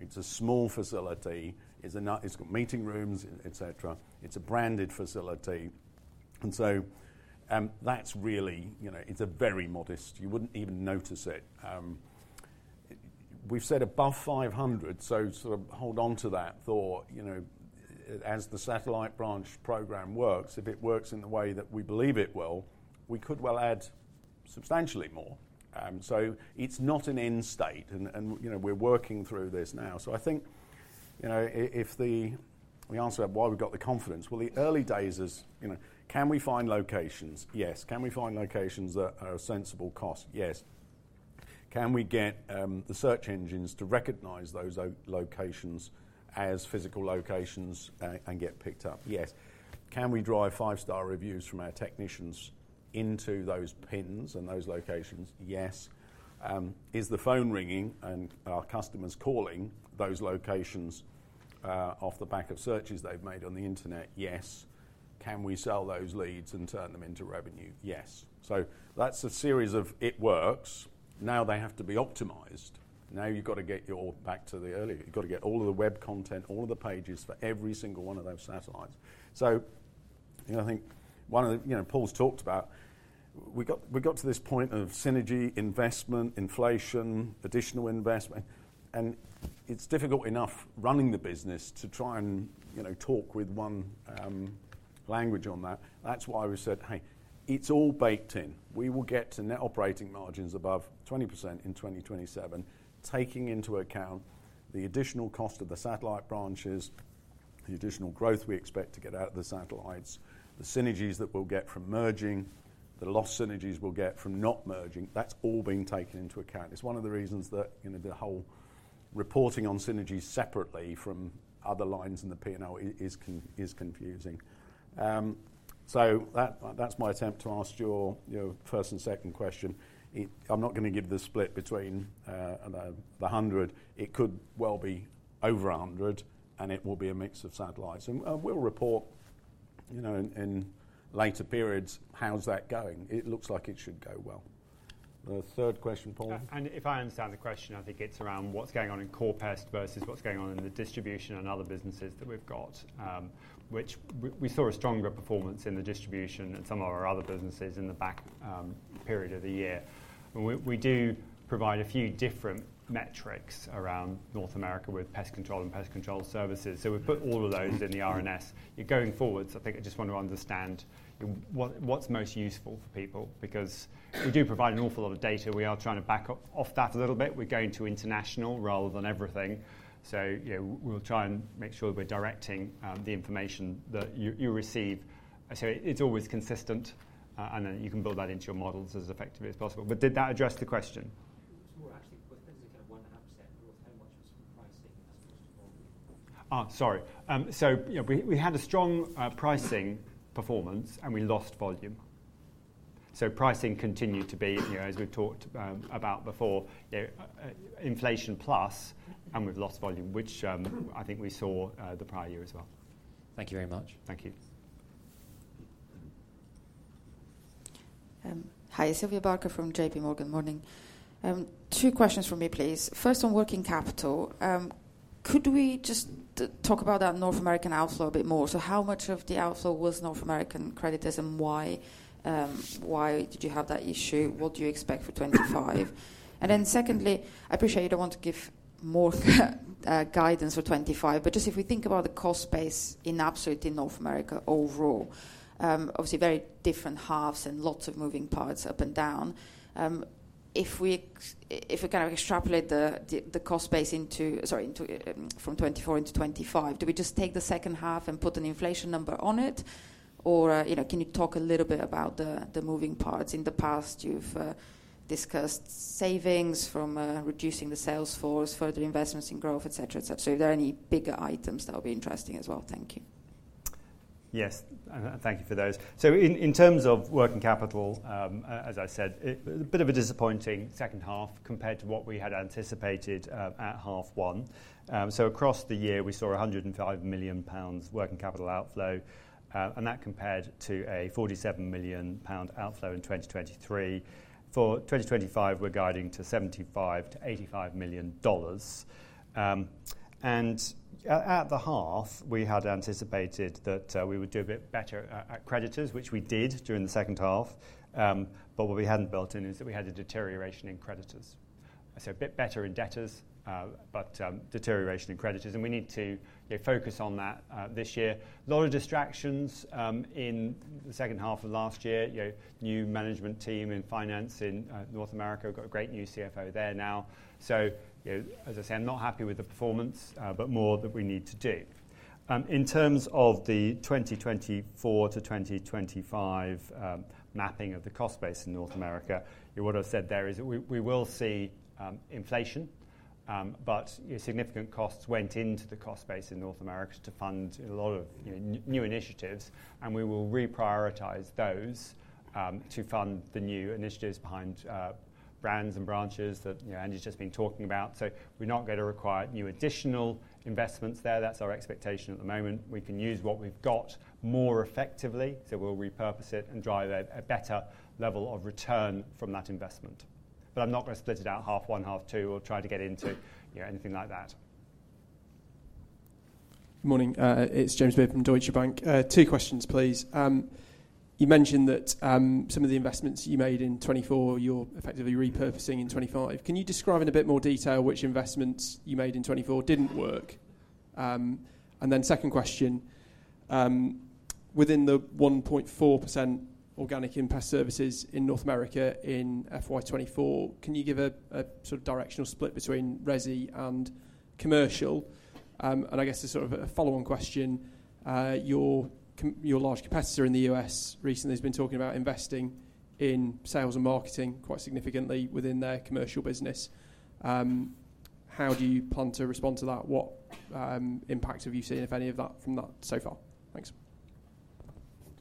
It's a small facility. It's got meeting rooms, etc. It's a branded facility. And so, that's really, it's very modest. You wouldn't even notice it. We've said above 500, so sort of hold on to that thought. As the satellite branch program works, if it works in the way that we believe it will, we could well add substantially more. So, it's not an end state, and we're working through this now. So, I think if the answer to why we've got the confidence, well, the early days is, can we find locations? Yes. Can we find locations that are a sensible cost? Yes. Can we get the search engines to recognize those locations as physical locations and get picked up? Yes. Can we drive five-star reviews from our technicians into those pins and those locations? Yes. Is the phone ringing and our customers calling those locations off the back of searches they've made on the internet? Yes. Can we sell those leads and turn them into revenue? Yes. That's a series of IT works. They have to be optimized. You've got to get back to the earlier. You've got to get all of the web content, all of the pages for every single one of those satellites. I think one of the Paul talked about. We got to this point of synergy, investment, inflation, additional investment. It's difficult enough running the business to try and talk with one language on that. That's why we said, hey, it's all baked in. We will get to net operating margins above 20% in 2027, taking into account the additional cost of the satellite branches, the additional growth we expect to get out of the satellites, the synergies that we'll get from merging, the lost synergies we'll get from not merging. That's all being taken into account. It's one of the reasons that the whole reporting on synergies separately from other lines in the P&L is confusing. So, that's my attempt to answer your first and second question. I'm not going to give the split between the 100. It could well be over 100, and it will be a mix of satellites. And we'll report in later periods, how's that going? It looks like it should go well. The third question, Paul? And if I understand the question, I think it's around what's going on in core pest versus what's going on in the distribution and other businesses that we've got, which we saw a stronger performance in the distribution and some of our other businesses in the back half of the year. We do provide a few different metrics around North America with pest control and pest control services. So, we've put all of those in the RNS. Going forward, I think I just want to understand what's most useful for people because we do provide an awful lot of data. We are trying to back off that a little bit. We're going to international rather than everything. So, we'll try and make sure we're directing the information that you receive. So, it's always consistent, and then you can build that into your models as effectively as possible. But did that address the question? It was more, actually, was that the kind of 1.5%? Was how much was from pricing as opposed to volume? Oh, sorry. So, we had a strong pricing performance, and we lost volume. So, pricing continued to be, as we've talked about before, inflation plus, and we've lost volume, which I think we saw the prior year as well. Thank you very much. Thank you. Hi, Sylvia Barker from J.P. Morgan. Morning. Two questions for me, please. First, on working capital. Could we just talk about that North American outflow a bit more? So, how much of the outflow was North American creditors and why did you have that issue? What do you expect for 2025? And then secondly, I appreciate you don't want to give more guidance for 2025, but just if we think about the cost space in absolute North America overall, obviously very different halves and lots of moving parts up and down. If we kind of extrapolate the cost space from 2024 into 2025, do we just take the second half and put an inflation number on it? Or can you talk a little bit about the moving parts? In the past, you've discussed savings from reducing the sales force, further investments in growth, etc., etc. Are there any bigger items that would be interesting as well? Thank you. Yes, thank you for those. In terms of working capital, as I said, a bit of a disappointing second half compared to what we had anticipated at half one. Across the year, we saw 105 million pounds working capital outflow, and that compared to a 47 million pound outflow in 2023. For 2025, we're guiding to $75-$85 million. At the half, we had anticipated that we would do a bit better at creditors, which we did during the second half. But what we hadn't built in is that we had a deterioration in creditors. A bit better in debtors, but deterioration in creditors. We need to focus on that this year. A lot of distractions in the second half of last year. New management team in finance in North America. We've got a great new CFO there now, so as I say, I'm not happy with the performance, but more that we need to do. In terms of the 2024 to 2025 mapping of the cost base in North America, what I've said there is that we will see inflation, but significant costs went into the cost base in North America to fund a lot of new initiatives, and we will reprioritize those to fund the new initiatives behind brands and branches that Andy's just been talking about, so we're not going to require new additional investments there. That's our expectation at the moment. We can use what we've got more effectively, so we'll repurpose it and drive a better level of return from that investment, but I'm not going to split it out half one, half two, or try to get into anything like that. Morning. It's James Webb from Deutsche Bank. Two questions, please. You mentioned that some of the investments you made in 2024, you're effectively repurposing in 2025. Can you describe in a bit more detail which investments you made in 2024 didn't work? And then second question, within the 1.4% organic in pest services in North America in FY24, can you give a sort of directional split between resi and commercial? And I guess it's sort of a follow-on question. Your large competitor in the US recently has been talking about investing in sales and marketing quite significantly within their commercial business. How do you plan to respond to that? What impact have you seen, if any, of that from that so far? Thanks.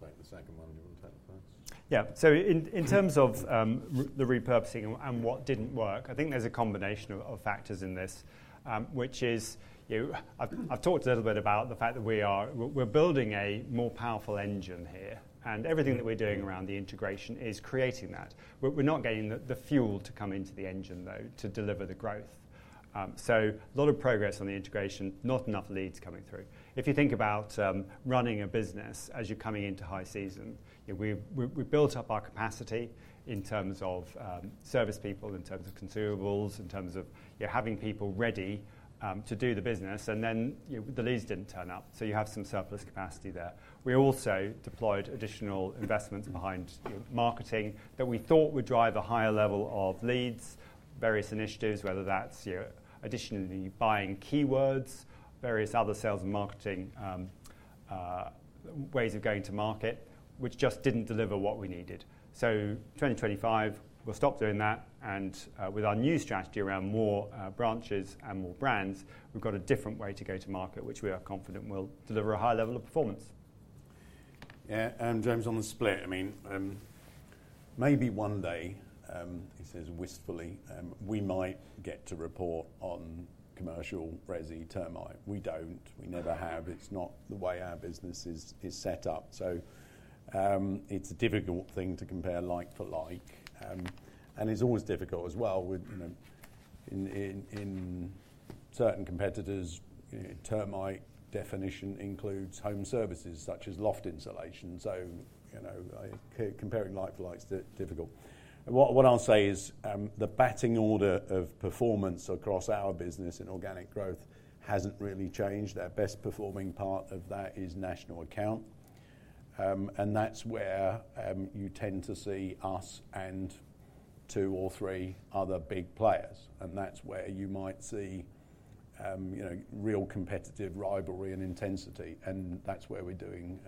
Take the second one and you want to take the first. Yeah. So, in terms of the repurposing and what didn't work, I think there's a combination of factors in this, which is I've talked a little bit about the fact that we're building a more powerful engine here. And everything that we're doing around the integration is creating that. We're not getting the fuel to come into the engine, though, to deliver the growth. So, a lot of progress on the integration, not enough leads coming through. If you think about running a business as you're coming into high season, we built up our capacity in terms of service people, in terms of consumables, in terms of having people ready to do the business. And then the leads didn't turn up. So, you have some surplus capacity there. We also deployed additional investments behind marketing that we thought would drive a higher level of leads, various initiatives, whether that's additionally buying keywords, various other sales and marketing ways of going to market, which just didn't deliver what we needed. So, 2025, we'll stop doing that. And with our new strategy around more branches and more brands, we've got a different way to go to market, which we are confident will deliver a high level of performance. Yeah. And James on the split. I mean, maybe one day, he says wistfully, we might get to report on commercial resi termite. We don't. We never have. It's not the way our business is set up. So, it's a difficult thing to compare like for like. And it's always difficult as well. In certain competitors, termite definition includes home services such as loft insulation. So, comparing like for like is difficult. What I'll say is the batting order of performance across our business in organic growth hasn't really changed. Our best performing part of that is national account. And that's where you tend to see us and two or three other big players. And that's where you might see real competitive rivalry and intensity. And that's where we're doing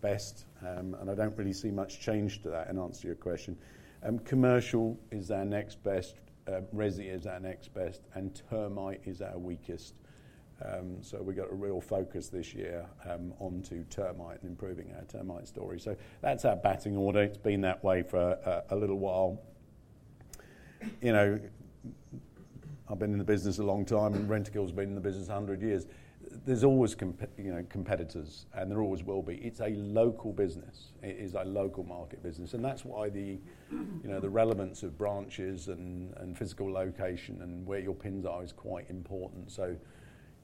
best. And I don't really see much change to that, in answer to your question. Commercial is our next best. Resi is our next best. And termite is our weakest. So, we've got a real focus this year onto termite and improving our termite story. So, that's our batting order. It's been that way for a little while. I've been in the business a long time, and Rentokil has been in the business 100 years. There's always competitors, and there always will be. It's a local business. It is a local market business, and that's why the relevance of branches and physical location and where your pins are is quite important. So,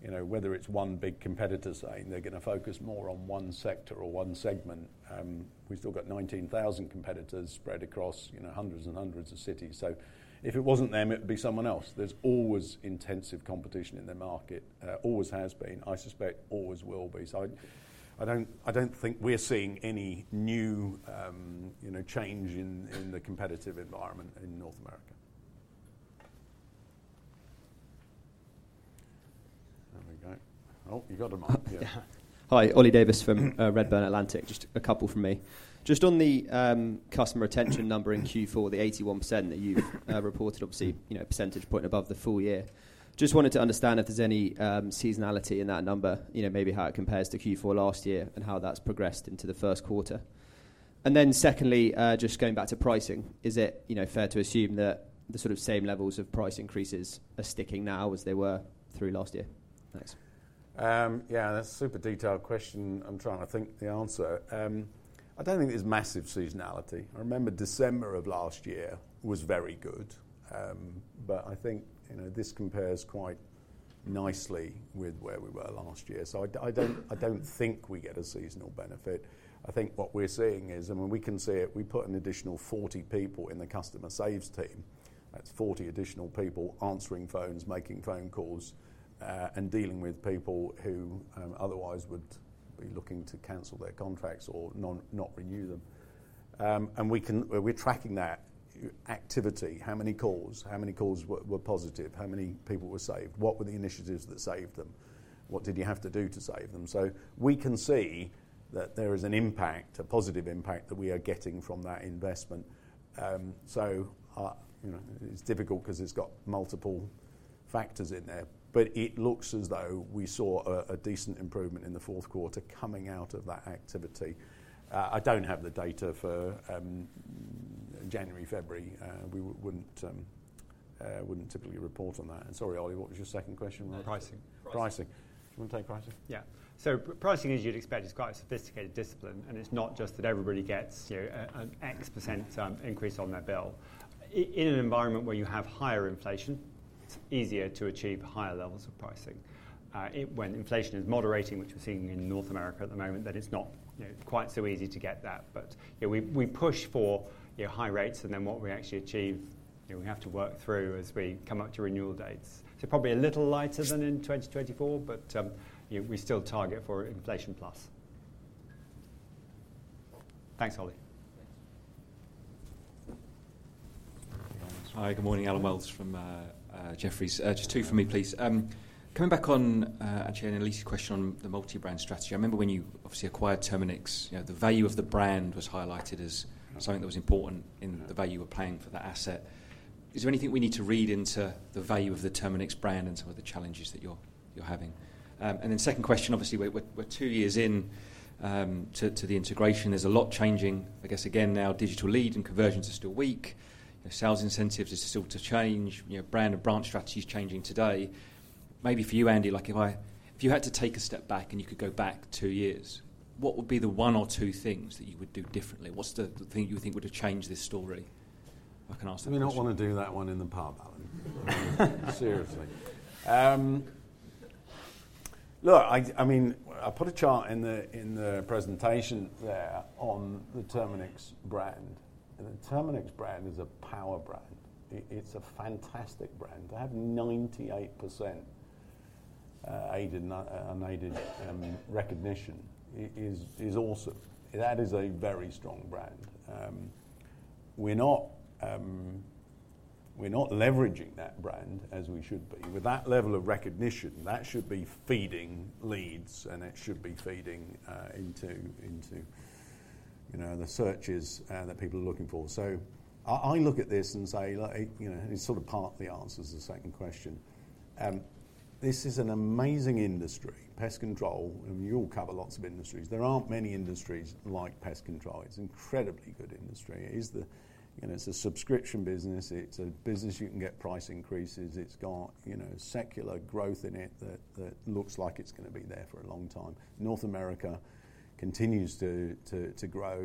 whether it's one big competitor saying they're going to focus more on one sector or one segment, we've still got 19,000 competitors spread across hundreds and hundreds of cities. So, if it wasn't them, it would be someone else. There's always intensive competition in the market. Always has been. I suspect always will be. So, I don't think we're seeing any new change in the competitive environment in North America. There we go. Oh, you got a mic. Yeah. Hi, Ollie Davies from Redburn Atlantic. Just a couple from me. Just on the customer retention number in Q4, the 81% that you've reported, obviously, percentage point above the full year. Just wanted to understand if there's any seasonality in that number, maybe how it compares to Q4 last year and how that's progressed into the first quarter? And then secondly, just going back to pricing, is it fair to assume that the sort of same levels of price increases are sticking now as they were through last year? Thanks. Yeah, that's a super detailed question. I'm trying to think the answer. I don't think there's massive seasonality. I remember December of last year was very good. But I think this compares quite nicely with where we were last year. So, I don't think we get a seasonal benefit. I think what we're seeing is, I mean, we can see it. We put an additional 40 people in the customer saves team. That's 40 additional people answering phones, making phone calls, and dealing with people who otherwise would be looking to cancel their contracts or not renew them. And we're tracking that activity. How many calls? How many calls were positive? How many people were saved? What were the initiatives that saved them? What did you have to do to save them? So, we can see that there is an impact, a positive impact that we are getting from that investment. So, it's difficult because it's got multiple factors in there. But it looks as though we saw a decent improvement in the fourth quarter coming out of that activity. I don't have the data for January, February. We wouldn't typically report on that. And sorry, Ollie, what was your second question? Pricing. Pricing. Do you want to take pricing? Yeah. So, pricing, as you'd expect, is quite a sophisticated discipline. It's not just that everybody gets an X% increase on their bill. In an environment where you have higher inflation, it's easier to achieve higher levels of pricing. When inflation is moderating, which we're seeing in North America at the moment, then it's not quite so easy to get that. But we push for high rates, and then what we actually achieve, we have to work through as we come up to renewal dates. Probably a little lighter than in 2024, but we still target for inflation plus. Thanks, Ollie. Hi, good morning. Allen Wells from Jefferies. Just two from me, please. Coming back on, actually, Annelies's question on the multi-brand strategy. I remember when you obviously acquired Terminix, the value of the brand was highlighted as something that was important in the value of playing for the asset. Is there anything we need to read into the value of the Terminix brand and some of the challenges that you're having? And then second question, obviously, we're two years into the integration. There's a lot changing. I guess, again, now digital lead and conversions are still weak. Sales incentives are still to change. Brand and branch strategy is changing today. Maybe for you, Andy, if you had to take a step back and you could go back two years, what would be the one or two things that you would do differently? What's the thing you think would have changed this story? I can ask that question. I mean, I don't want to do that one in the pub, Allen. Seriously. Look, I mean, I put a chart in the presentation there on the Terminix brand. The Terminix brand is a power brand. It's a fantastic brand. They have 98% unaided recognition. It is awesome. That is a very strong brand. We're not leveraging that brand as we should be. With that level of recognition, that should be feeding leads, and it should be feeding into the searches that people are looking for. So, I look at this and say, it's sort of part of the answer to the second question. This is an amazing industry. Pest control, you all cover lots of industries. There aren't many industries like pest control. It's an incredibly good industry. It's a subscription business. It's a business you can get price increases. It's got secular growth in it that looks like it's going to be there for a long time. North America continues to grow.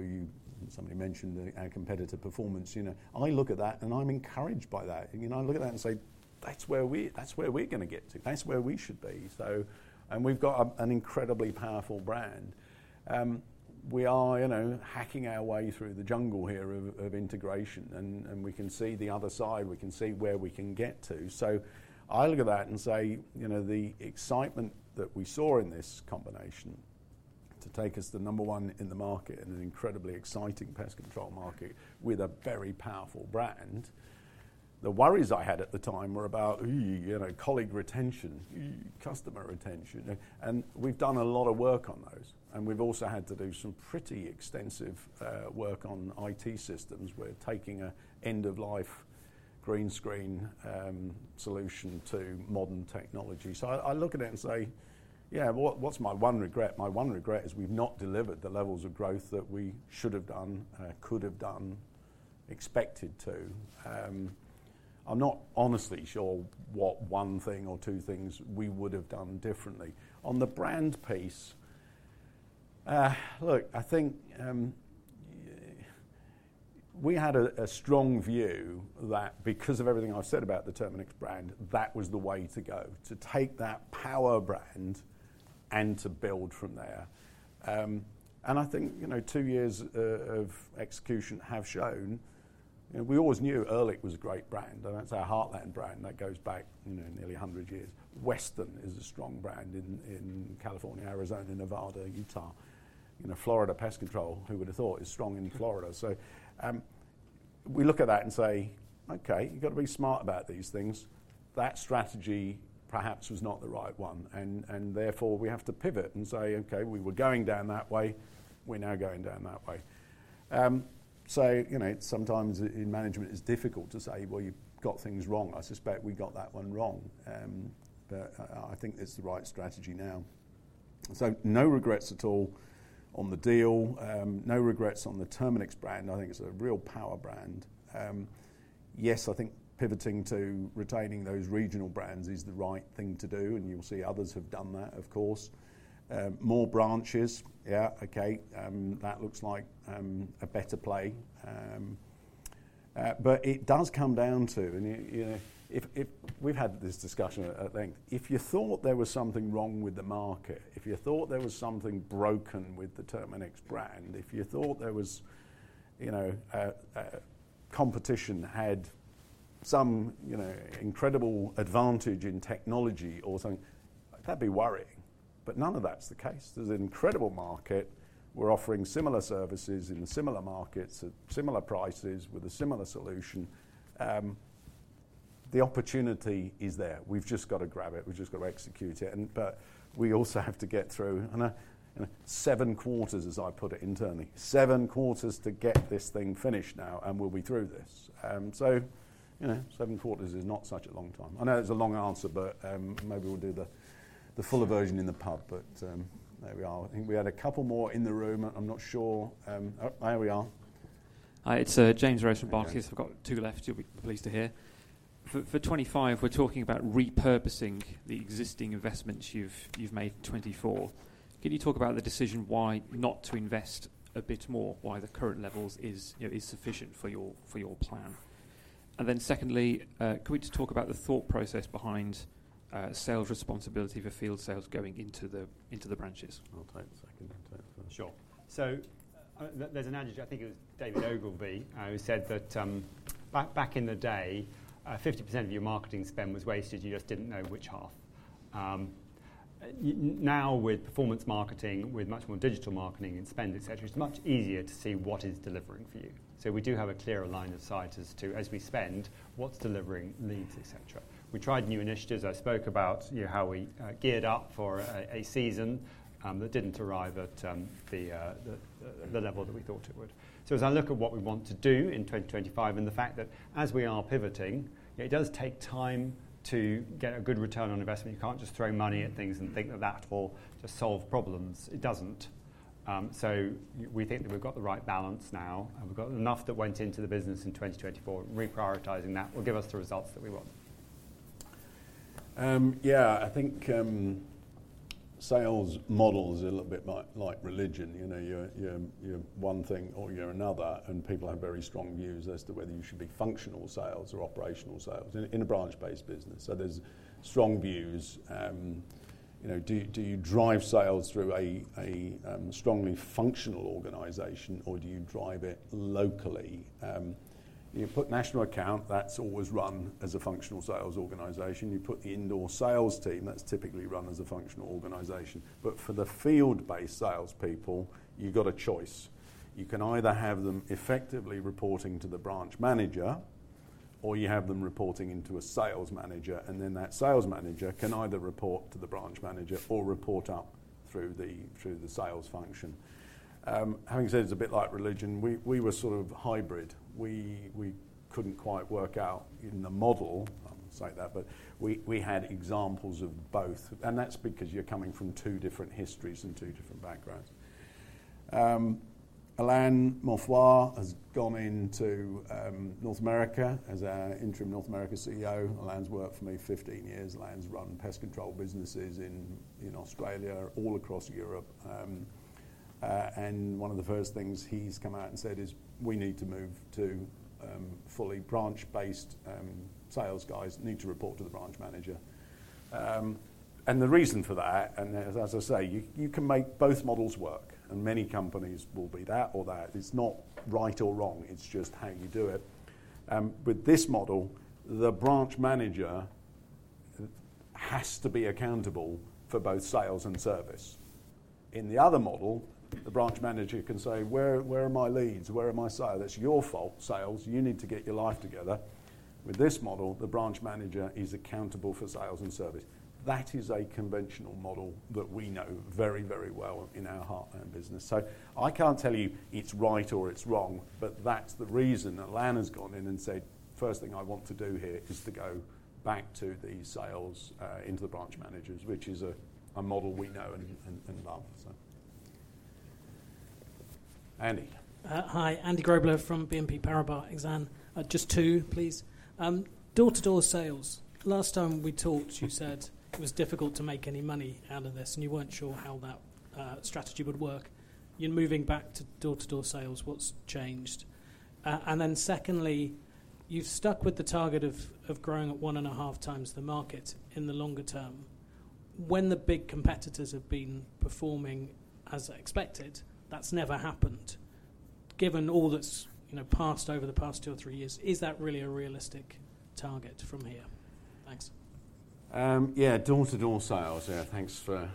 Somebody mentioned our competitor performance. I look at that, and I'm encouraged by that. I look at that and say, that's where we're going to get to. That's where we should be. And we've got an incredibly powerful brand. We are hacking our way through the jungle here of integration, and we can see the other side. We can see where we can get to. So, I look at that and say, the excitement that we saw in this combination to take us to number one in the market in an incredibly exciting pest control market with a very powerful brand. The worries I had at the time were about colleague retention, customer retention. And we've done a lot of work on those. And we've also had to do some pretty extensive work on IT systems. We're taking an end-of-life green screen solution to modern technology. So, I look at it and say, yeah, what's my one regret? My one regret is we've not delivered the levels of growth that we should have done, could have done, expected to. I'm not honestly sure what one thing or two things we would have done differently. On the brand piece, look, I think we had a strong view that because of everything I've said about the Terminix brand, that was the way to go, to take that power brand and to build from there. And I think two years of execution have shown we always knew Ehrlich was a great brand. That's our heartland brand that goes back nearly 100 years. Western is a strong brand in California, Arizona, Nevada, Utah. Florida Pest Control, who would have thought, is strong in Florida. So, we look at that and say, okay, you've got to be smart about these things. That strategy perhaps was not the right one. And therefore, we have to pivot and say, okay, we were going down that way. We're now going down that way. So, sometimes in management, it's difficult to say, well, you've got things wrong. I suspect we got that one wrong. But I think it's the right strategy now. So, no regrets at all on the deal. No regrets on the Terminix brand. I think it's a real power brand. Yes, I think pivoting to retaining those regional brands is the right thing to do. And you'll see others have done that, of course. More branches. Yeah, okay. That looks like a better play. But it does come down to, and we've had this discussion at length. If you thought there was something wrong with the market, if you thought there was something broken with the Terminix brand, if you thought there was competition had some incredible advantage in technology or something, that'd be worrying. But none of that's the case. There's an incredible market. We're offering similar services in similar markets at similar prices with a similar solution. The opportunity is there. We've just got to grab it. We've just got to execute it. But we also have to get through seven quarters, as I put it internally. Seven quarters to get this thing finished now, and we'll be through this. So, seven quarters is not such a long time. I know it's a long answer, but maybe we'll do the fuller version in the pub. But there we are. I think we had a couple more in the room. I'm not sure. There we are. Hi, it's James Rose. I've got two left. You'll be pleased to hear. For 2025, we're talking about repurposing the existing investments you've made in 2024. Can you talk about the decision why not to invest a bit more, why the current levels is sufficient for your plan? And then secondly, can we just talk about the thought process behind sales responsibility for field sales going into the branches? I'll take a second. Sure. So, there's an analogy. I think it was David Ogilvy who said that back in the day, 50% of your marketing spend was wasted. You just didn't know which half. Now, with performance marketing, with much more digital marketing and spend, etc., it's much easier to see what is delivering for you. So, we do have a clearer line of sight as to, as we spend, what's delivering leads, etc. We tried new initiatives. I spoke about how we geared up for a season that didn't arrive at the level that we thought it would. So, as I look at what we want to do in 2025 and the fact that as we are pivoting, it does take time to get a good return on investment. You can't just throw money at things and think that that will just solve problems. It doesn't. So, we think that we've got the right balance now. We've got enough that went into the business in 2024. Reprioritizing that will give us the results that we want. Yeah, I think sales models are a little bit like religion. You're one thing or you're another, and people have very strong views as to whether you should be functional sales or operational sales in a branch-based business. So, there's strong views. Do you drive sales through a strongly functional organization, or do you drive it locally? You put national account, that's always run as a functional sales organization. You put the indoor sales team, that's typically run as a functional organization. But for the field-based salespeople, you've got a choice. You can either have them effectively reporting to the branch manager, or you have them reporting into a sales manager. And then that sales manager can either report to the branch manager or report up through the sales function. Having said, it's a bit like religion. We were sort of hybrid. We couldn't quite work out in the model, I'll say that, but we had examples of both. And that's because you're coming from two different histories and two different backgrounds. Alain Moffroid has gone into North America as our interim North America CEO. Alain's worked for me 15 years. Alain's run pest control businesses in Australia, all across Europe, and one of the first things he's come out and said is, we need to move to fully branch-based sales guys, need to report to the branch manager, and the reason for that, and as I say, you can make both models work, and many companies will be that or that. It's not right or wrong. It's just how you do it. With this model, the branch manager has to be accountable for both sales and service. In the other model, the branch manager can say, where are my leads? Where are my sales? It's your fault, sales. You need to get your life together. With this model, the branch manager is accountable for sales and service. That is a conventional model that we know very, very well in our heartland business. So, I can't tell you it's right or it's wrong, but that's the reason Alain Moffroid has gone in and said, first thing I want to do here is to go back to the sales into the branch managers, which is a model we know and love. Andy. Hi, Andy Grobler from BNP Paribas Exane. Just two, please. Door-to-door sales. Last time we talked, you said it was difficult to make any money out of this, and you weren't sure how that strategy would work. In moving back to door-to-door sales, what's changed? And then secondly, you've stuck with the target of growing at one and a half times the market in the longer term. When the big competitors have been performing as expected, that's never happened. Given all that's passed over the past two or three years, is that really a realistic target from here? Thanks. Yeah, door-to-door sales. Thanks for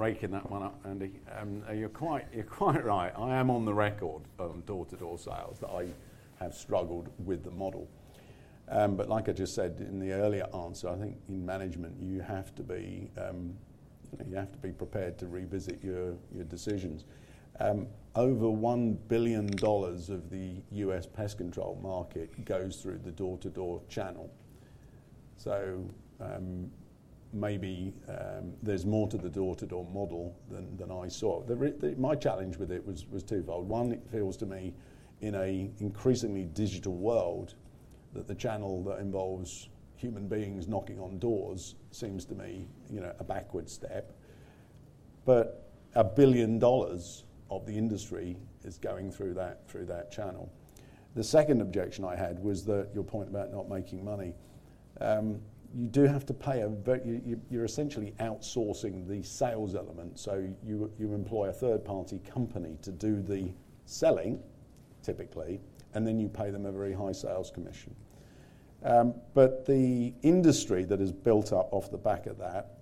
taking that one up, Andy. You're quite right. I am on the record on door-to-door sales that I have struggled with the model. But like I just said in the earlier answer, I think in management, you have to be prepared to revisit your decisions. Over $1 billion of the U.S. pest control market goes through the door-to-door channel. So, maybe there's more to the door-to-door model than I saw. My challenge with it was twofold. One, it feels to me in an increasingly digital world that the channel that involves human beings knocking on doors seems to me a backward step. But $1 billion of the industry is going through that channel. The second objection I had was your point about not making money. You do have to pay a very—you're essentially outsourcing the sales element. So, you employ a third-party company to do the selling, typically, and then you pay them a very high sales commission. But the industry that is built up off the back of that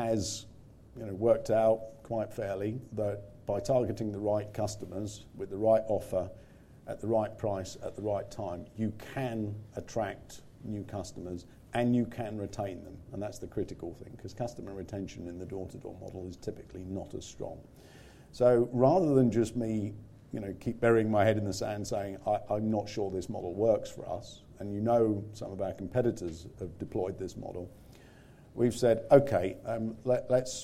has worked out quite fairly that by targeting the right customers with the right offer at the right price at the right time, you can attract new customers and you can retain them. And that's the critical thing because customer retention in the door-to-door model is typically not as strong. So, rather than just me keep burying my head in the sand saying, I'm not sure this model works for us, and you know some of our competitors have deployed this model, we've said, okay,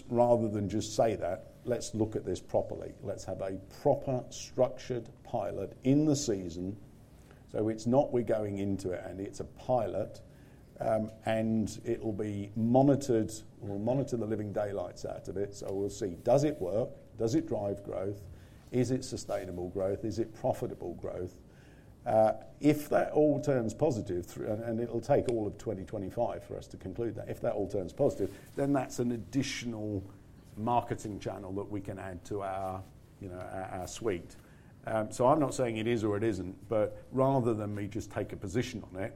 rather than just say that, let's look at this properly. Let's have a proper structured pilot in the season. It's not we're going into it and it's a pilot, and it will be monitored. We'll monitor the living daylights out of it. So, we'll see. Does it work? Does it drive growth? Is it sustainable growth? Is it profitable growth? If that all turns positive, and it'll take all of 2025 for us to conclude that. If that all turns positive, then that's an additional marketing channel that we can add to our suite. So, I'm not saying it is or it isn't, but rather than me just take a position on it,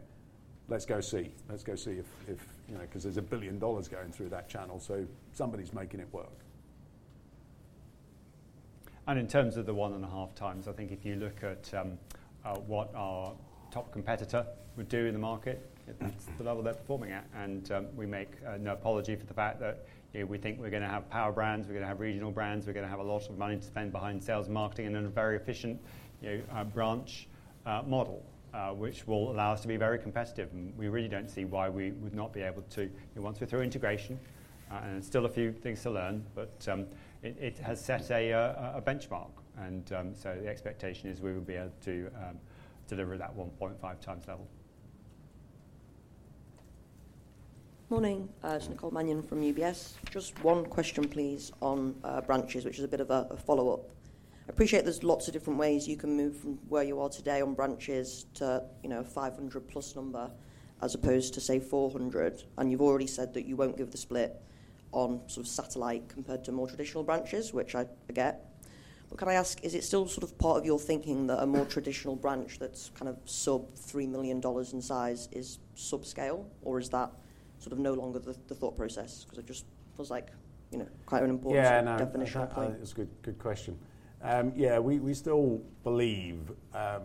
let's go see. Let's go see if because there's $1 billion going through that channel. So, somebody's making it work. And in terms of the one and a half times, I think if you look at what our top competitor would do in the market, that's the level they're performing at. And we make no apology for the fact that we think we're going to have power brands, we're going to have regional brands, we're going to have a lot of money to spend behind sales and marketing in a very efficient branch model, which will allow us to be very competitive. And we really don't see why we would not be able to. Once we're through integration, and there's still a few things to learn, but it has set a benchmark. And so, the expectation is we will be able to deliver that 1.5 times level. Morning. This is Nicole Manion from UBS. Just one question, please, on branches, which is a bit of a follow-up. I appreciate there's lots of different ways you can move from where you are today on branches to a 500-plus number as opposed to, say, 400. You've already said that you won't give the split on sort of satellite compared to more traditional branches, which I get. But can I ask, is it still sort of part of your thinking that a more traditional branch that's kind of sub-$3 million in size is subscale, or is that sort of no longer the thought process? Because it just feels like quite an important definition. Yeah, no, exactly. It's a good question. Yeah, we still believe that,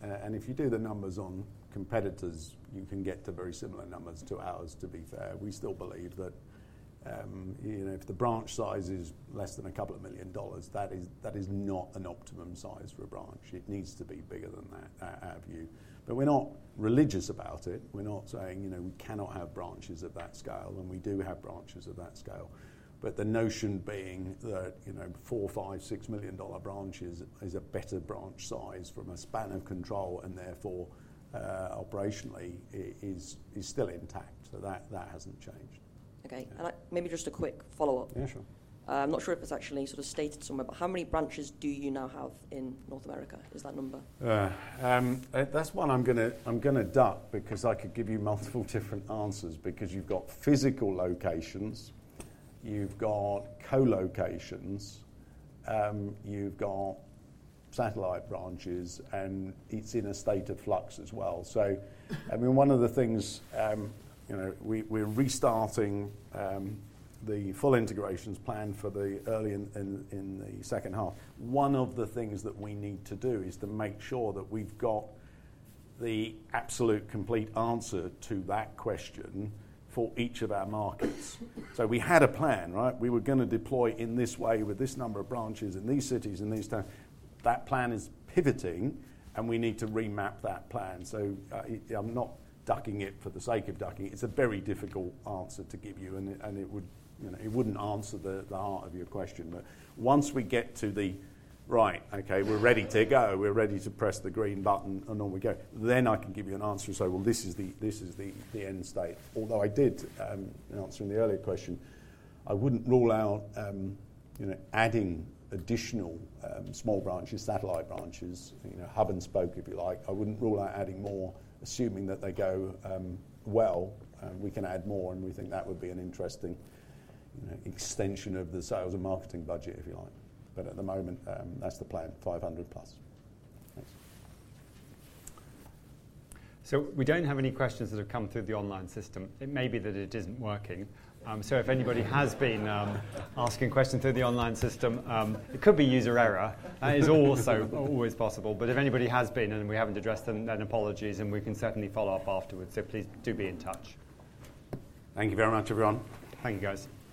and if you do the numbers on competitors, you can get to very similar numbers to ours, to be fair. We still believe that if the branch size is less than a couple of million dollars, that is not an optimum size for a branch. It needs to be bigger than that, I hear you. But we're not religious about it. We're not saying we cannot have branches at that scale, and we do have branches at that scale, but the notion being that $4 million, $5 million, $6 million branches is a better branch size from a span of control and therefore operationally is still intact, so that hasn't changed. Okay. Maybe just a quick follow-up. Yeah, sure. I'm not sure if it's actually sort of stated somewhere, but how many branches do you now have in North America? Is that number? That's one I'm going to duck because I could give you multiple different answers because you've got physical locations, you've got co-locations, you've got satellite branches, and it's in a state of flux as well. So, I mean, one of the things we're restarting the full integrations plan for the early in the second half. One of the things that we need to do is to make sure that we've got the absolute complete answer to that question for each of our markets. So we had a plan, right? We were going to deploy in this way with this number of branches in these cities in these towns. That plan is pivoting, and we need to remap that plan. So I'm not ducking it for the sake of ducking. It's a very difficult answer to give you, and it wouldn't answer the heart of your question. But once we get to the, right, okay, we're ready to go, we're ready to press the green button, and on we go, then I can give you an answer and say, well, this is the end state. Although I did answer in the earlier question, I wouldn't rule out adding additional small branches, satellite branches, hub and spoke, if you like. I wouldn't rule out adding more, assuming that they go well. We can add more, and we think that would be an interesting extension of the sales and marketing budget, if you like. But at the moment, that's the plan, 500 plus. Thanks. So we don't have any questions that have come through the online system. It may be that it isn't working. So if anybody has been asking questions through the online system, it could be user error. That is also always possible. But if anybody has been, and we haven't addressed them, then apologies, and we can certainly follow up afterwards. So please do be in touch. Thank you very much, everyone. Thank you, guys.